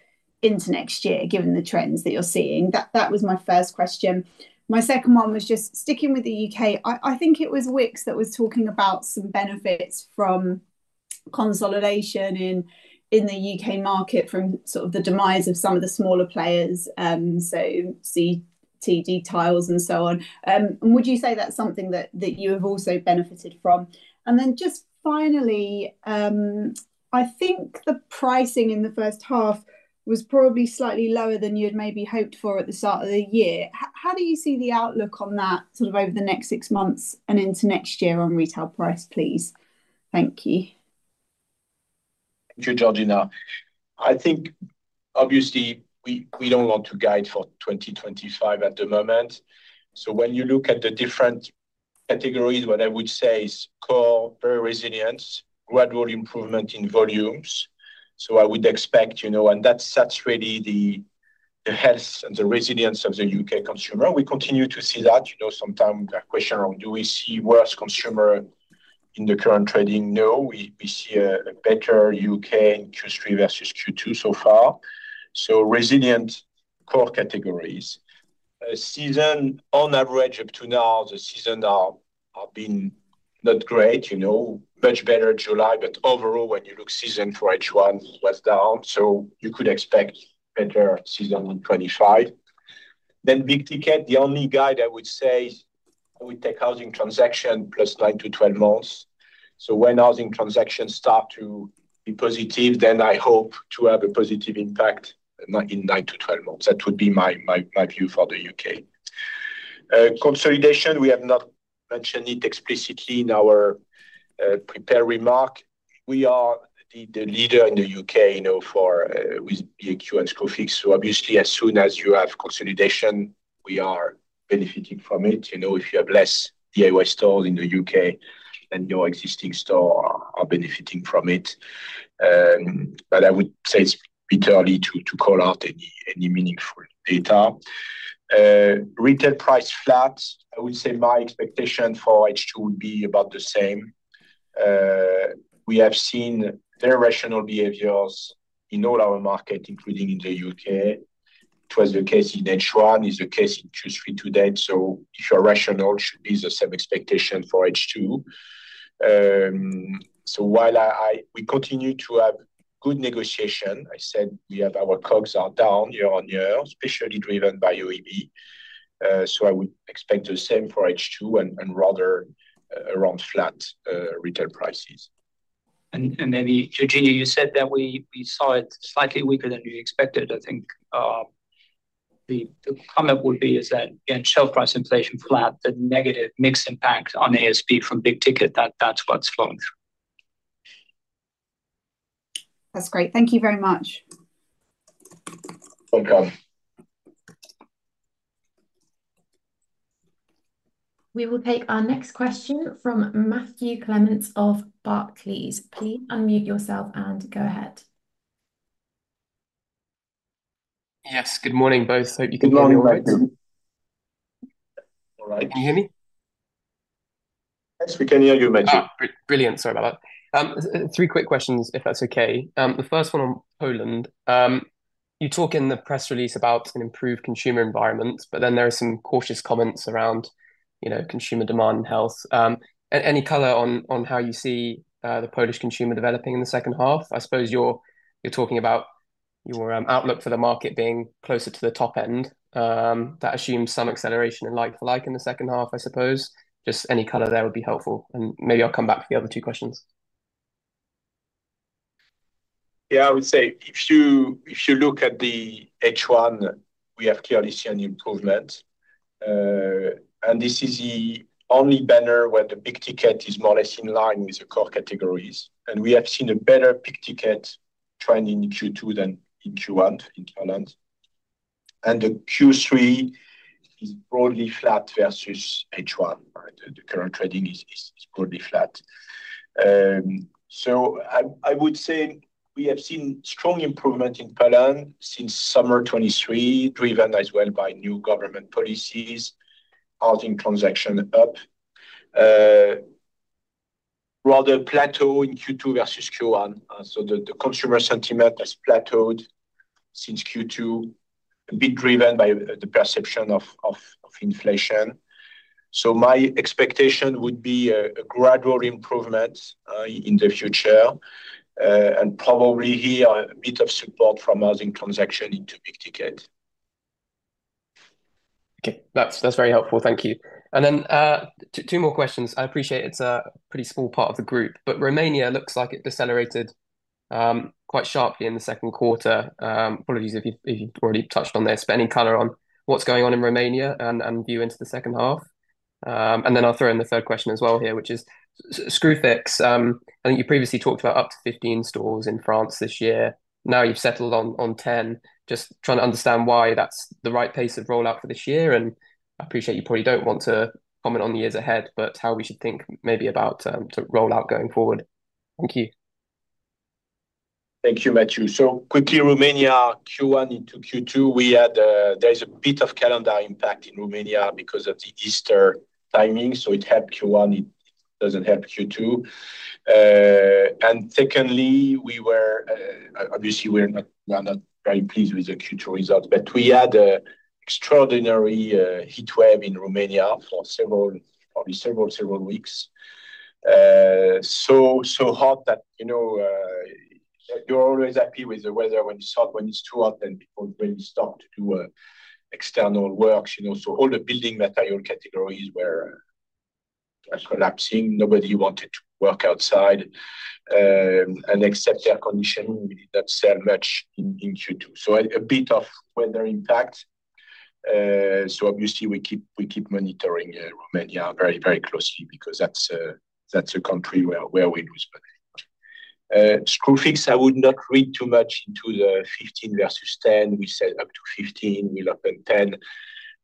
S9: into next year, given the trends that you're seeing? That was my first question. My second one was just sticking with the U.K.. I think it was Wickes that was talking about some benefits from consolidation in the UK market, from sort of the demise of some of the smaller players, so CTD Tiles and so on. And would you say that's something that you have also benefited from? And then just finally, I think the pricing in the first half was probably slightly lower than you had maybe hoped for at the start of the year. How do you see the outlook on that, sort of, over the next six months and into next year on retail price, please? Thank you.
S2: Thank you, Georgina. I think obviously, we don't want to guide for 2025 at the moment. So when you look at the different categories, what I would say is core, very resilient, gradual improvement in volumes. So I would expect, you know. And that's really the health and the resilience of the U.K. consumer. We continue to see that. You know, sometimes the question around do we see worse consumer in the current trading? No, we see a better U.K. in Q3 versus Q2 so far, so resilient core categories. Season, on average, up to now, the seasonals have been not great, you know. Much better July, but overall, when you look season for H1 was down, so you could expect better season in 2025. Then big ticket, the only guide I would say, I would take housing transaction plus nine to 12 months. So when housing transactions start to be positive, then I hope to have a positive impact in nine to 12 months. That would be my view for the U.K.. Consolidation, we have not mentioned it explicitly in our prepared remark. We are the leader in the U.K., you know, for with B&Q and Screwfix, so obviously, as soon as you have consolidation, we are benefiting from it. You know, if you have less DIY store in the U.K., then your existing store are benefiting from it. But I would say it's a bit early to call out any meaningful data. Retail price flat, I would say my expectation for H2 will be about the same. We have seen very rational behaviors in all our market, including in the U.K.. It was the case in H1, is the case in Q3 to date, so if you are rational, it should be the same expectation for H2. So while we continue to have good negotiation, I said we have our COGS are down year on year, especially driven by OEB. So I would expect the same for H2 and rather around flat retail prices.
S3: Maybe, Georgina, you said that we saw it slightly weaker than you expected. I think the comment would be is that, again, shelf price inflation flat, the negative mix impact on ASP from big ticket, that's what's flown through.
S9: That's great. Thank you very much.
S2: Welcome.
S1: We will take our next question from Matthew Clements of Barclays. Please unmute yourself and go ahead.
S10: Yes, good morning, both. Hope you can hear me all right.
S2: Good morning, Matthew.
S10: All right. Can you hear me?
S2: Yes, we can hear you, Matthew.
S10: Oh, brilliant. Sorry about that. Three quick questions, if that's okay. The first one on Poland. You talk in the press release about an improved consumer environment, but then there are some cautious comments around, you know, consumer demand and health. Any color on how you see the Polish consumer developing in the second half? I suppose you're talking about your outlook for the market being closer to the top end. That assumes some acceleration and like for like in the second half, I suppose. Just any color there would be helpful, and maybe I'll come back for the other two questions.
S2: Yeah, I would say if you, if you look at the H1, we have clearly seen improvement. And this is the only banner where the big ticket is more or less in line with the core categories. And we have seen a better big ticket trend in Q2 than in Q1 in Poland. And the Q3 is broadly flat versus H1, right? The current trading is broadly flat. So I would say we have seen strong improvement in Poland since summer 2023, driven as well by new government policies, housing transaction up. Rather a plateau in Q2 versus Q1. So the consumer sentiment has plateaued since Q2, a bit driven by the perception of inflation. My expectation would be a gradual improvement in the future, and probably here, a bit of support from housing transaction into big-ticket.
S10: Okay. That's, that's very helpful. Thank you. And then, two more questions. I appreciate it's a pretty small part of the group, but Romania looks like it decelerated quite sharply in the second quarter. Apologies if you've already touched on this, but any color on what's going on in Romania and view into the second half? And then I'll throw in the third question as well here, which is Screwfix. I think you previously talked about up to 15 stores in France this year. Now, you've settled on 10. Just trying to understand why that's the right pace of rollout for this year, and I appreciate you probably don't want to comment on the years ahead, but how we should think maybe about to roll out going forward. Thank you.
S2: Thank you, Matthew. So quickly, Romania, Q1 into Q2, we had. There is a bit of calendar impact in Romania because of the Easter timing, so it helped Q1, it doesn't help Q2. And secondly, we were obviously, we're not, we are not very pleased with the Q2 results, but we had a extraordinary heat wave in Romania for several, probably several weeks. So, so hot that, you know, you're always happy with the weather when it's hot. When it's too hot, then people really stop to do external works, you know. So all the building material categories were just collapsing. Nobody wanted to work outside. And except air conditioning, we did not sell much in Q2. So a bit of weather impact. So obviously, we keep monitoring Romania very closely because that's a country where we lose money. Screwfix, I would not read too much into the 15 versus 10. We said up to 15, we'll open 10.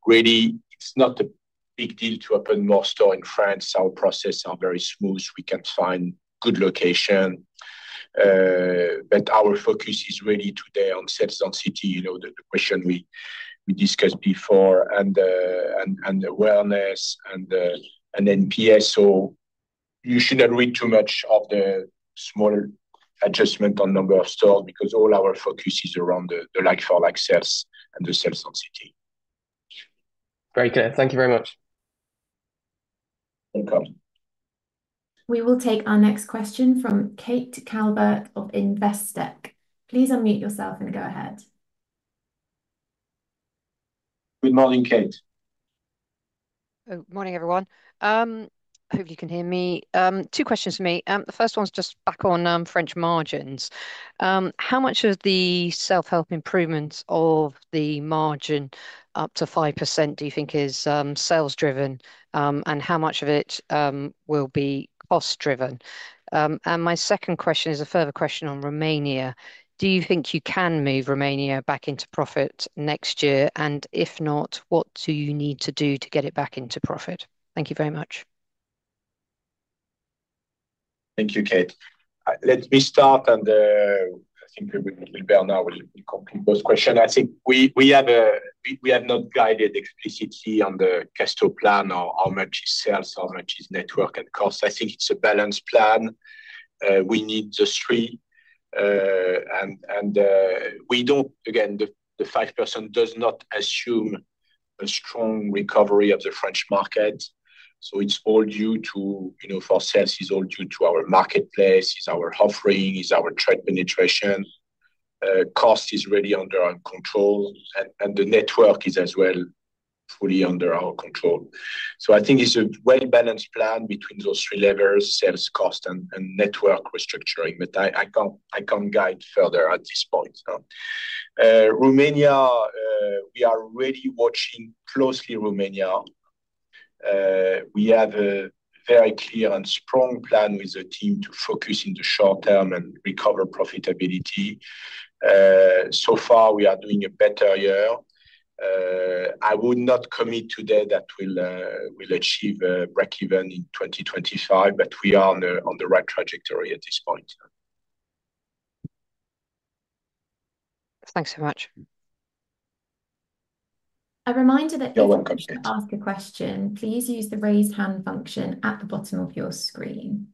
S2: Really, it's not a big deal to open more store in France. Our process are very smooth. We can find good location. But our focus is really today on sales density, you know, the question we discussed before, and the awareness and the NPS. So you should not read too much into the smaller adjustment on number of stores, because all our focus is around the like-for-like sales and the sales density.
S10: Great. Thank you very much.
S2: Welcome.
S1: We will take our next question from Kate Calvert of Investec. Please unmute yourself and go ahead.
S2: Good morning, Kate.
S11: Oh, morning, everyone. Hope you can hear me. Two questions for me. The first one is just back on French margins. How much of the self-help improvements of the margin up to 5% do you think is sales driven? And how much of it will be cost-driven? And my second question is a further question on Romania: Do you think you can move Romania back into profit next year? And if not, what do you need to do to get it back into profit? Thank you very much....
S2: Thank you, Kate. Let me start on the. I think maybe Bernard will complete those questions. I think we have a-- we have not guided explicitly on the Castorama plan or how much is sales, how much is network and cost. I think it's a balanced plan. We need the three, and we don't-- again, the 5% does not assume a strong recovery of the French market. So it's all due to, you know, for sales, is all due to our marketplace, it's our offering, it's our trade penetration. Cost is really under our control, and the network is as well, fully under our control. So I think it's a well-balanced plan between those three levers: sales, cost, and network restructuring. But I can't guide further at this point. Now, Romania, we are really watching closely Romania. We have a very clear and strong plan with the team to focus in the short term and recover profitability. So far, we are doing a better year. I would not commit today that we'll achieve breakeven in 2025, but we are on the right trajectory at this point.
S11: Thanks so much.
S1: A reminder that if you want to ask a question, please use the Raise Hand function at the bottom of your screen.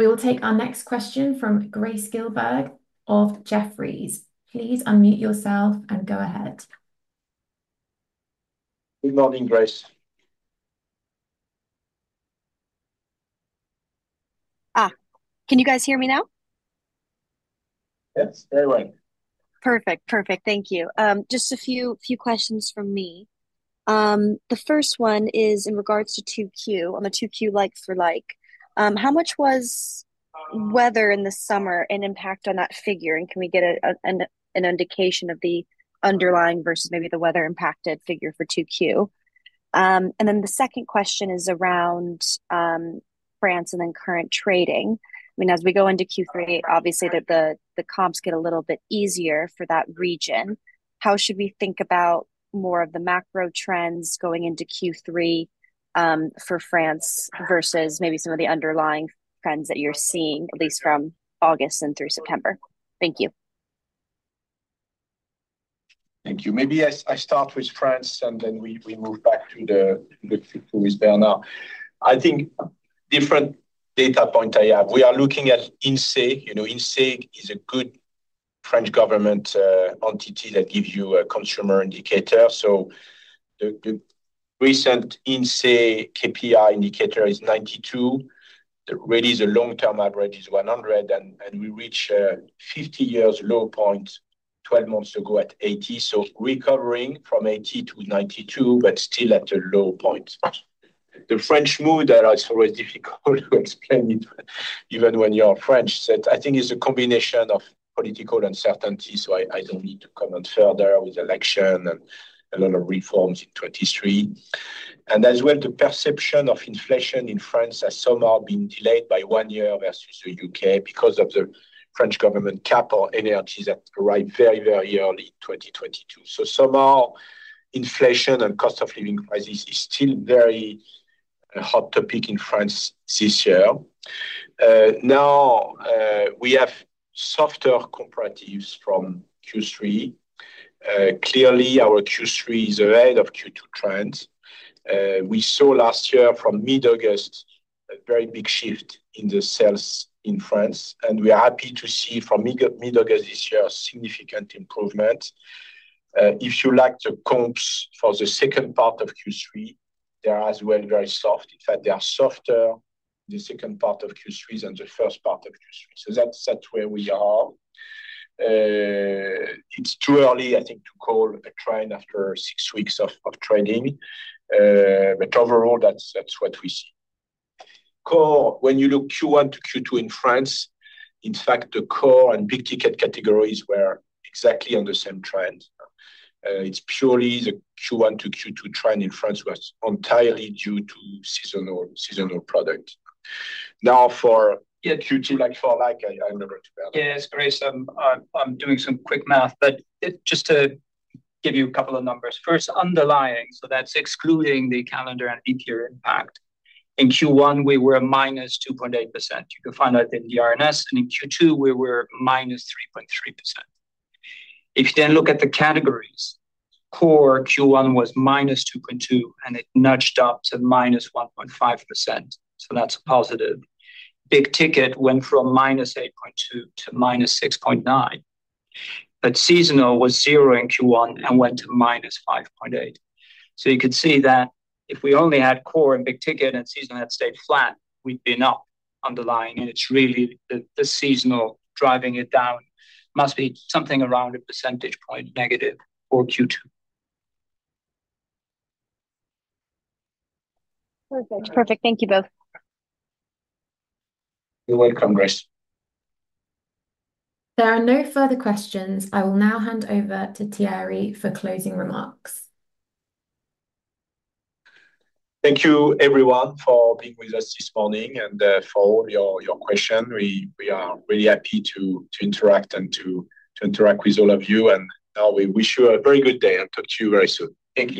S1: We will take our next question from Grace Gilberg of Jefferies. Please unmute yourself and go ahead.
S2: Good morning, Grace.
S12: Ah! Can you guys hear me now?
S2: Yes, very well.
S12: Perfect. Perfect. Thank you. Just a few questions from me. The first one is in regards to 2Q, on the 2Q, like for like, how much was weather in the summer an impact on that figure? And can we get an indication of the underlying versus maybe the weather impacted figure for 2Q? And then the second question is around France and then current trading. I mean, as we go into Q3, obviously, the comps get a little bit easier for that region. How should we think about more of the macro trends going into Q3, for France, versus maybe some of the underlying trends that you're seeing, at least from August and through September? Thank you.
S2: Thank you. Maybe I start with France, and then we move back to with Bernard. I think different data point I have. We are looking at INSEE. You know, INSEE is a good French government entity that gives you a consumer indicator. So the recent INSEE KPI indicator is 92. Really, the long-term average is 100, and we reach 50-year low point, 12 months ago at 80. So recovering from 80 to 92, but still at a low point. The French mood, it's always difficult to explain it, even when you're French. So I think it's a combination of political uncertainty, so I don't need to comment further with election and a lot of reforms in 2023. And as well, the perception of inflation in France has somehow been delayed by one year versus the U.K. because of the French government cap on energy that arrived very, very early, 2022. So somehow, inflation and cost of living crisis is still very a hot topic in France this year. Now, we have softer comparatives from Q3. Clearly, our Q3 is ahead of Q2 trends. We saw last year from mid-August, a very big shift in the sales in France, and we are happy to see from mid-August this year, a significant improvement. If you like, the comps for the second part of Q3, they are as well, very soft. In fact, they are softer the second part of Q3 than the first part of Q3. So that's where we are. It's too early, I think, to call a trend after six weeks of trading, but overall, that's what we see. Core, when you look Q1 to Q2 in France, in fact, the core and big-ticket categories were exactly on the same trend. It's purely the Q1 to Q2 trend in France was entirely due to seasonal product. Now, for Q2, like for like, I'll leave it to Bernard.
S3: Yes, Grace, I'm doing some quick math, but just to give you a couple of numbers. First, underlying, so that's excluding the calendar and weather impact. In Q1, we were minus 2.8%. You can find out in the RNS, and in Q2, we were minus 3.3%. If you then look at the categories, core Q1 was minus 2.2%, and it nudged up to minus 1.5%, so that's positive. Big ticket went from minus 8.2% to minus 6.9%, but seasonal was 0% in Q1 and went to minus 5.8%. So you could see that if we only had core and big ticket and seasonal had stayed flat, we'd be up underlying, and it's really the seasonal driving it down. Must be something around a percentage point negative for Q2.
S12: Perfect. Perfect. Thank you both.
S2: You're welcome, Grace.
S1: There are no further questions. I will now hand over to Thierry for closing remarks.
S2: Thank you everyone for being with us this morning and for your question. We are really happy to interact with all of you, and now we wish you a very good day and talk to you very soon. Thank you.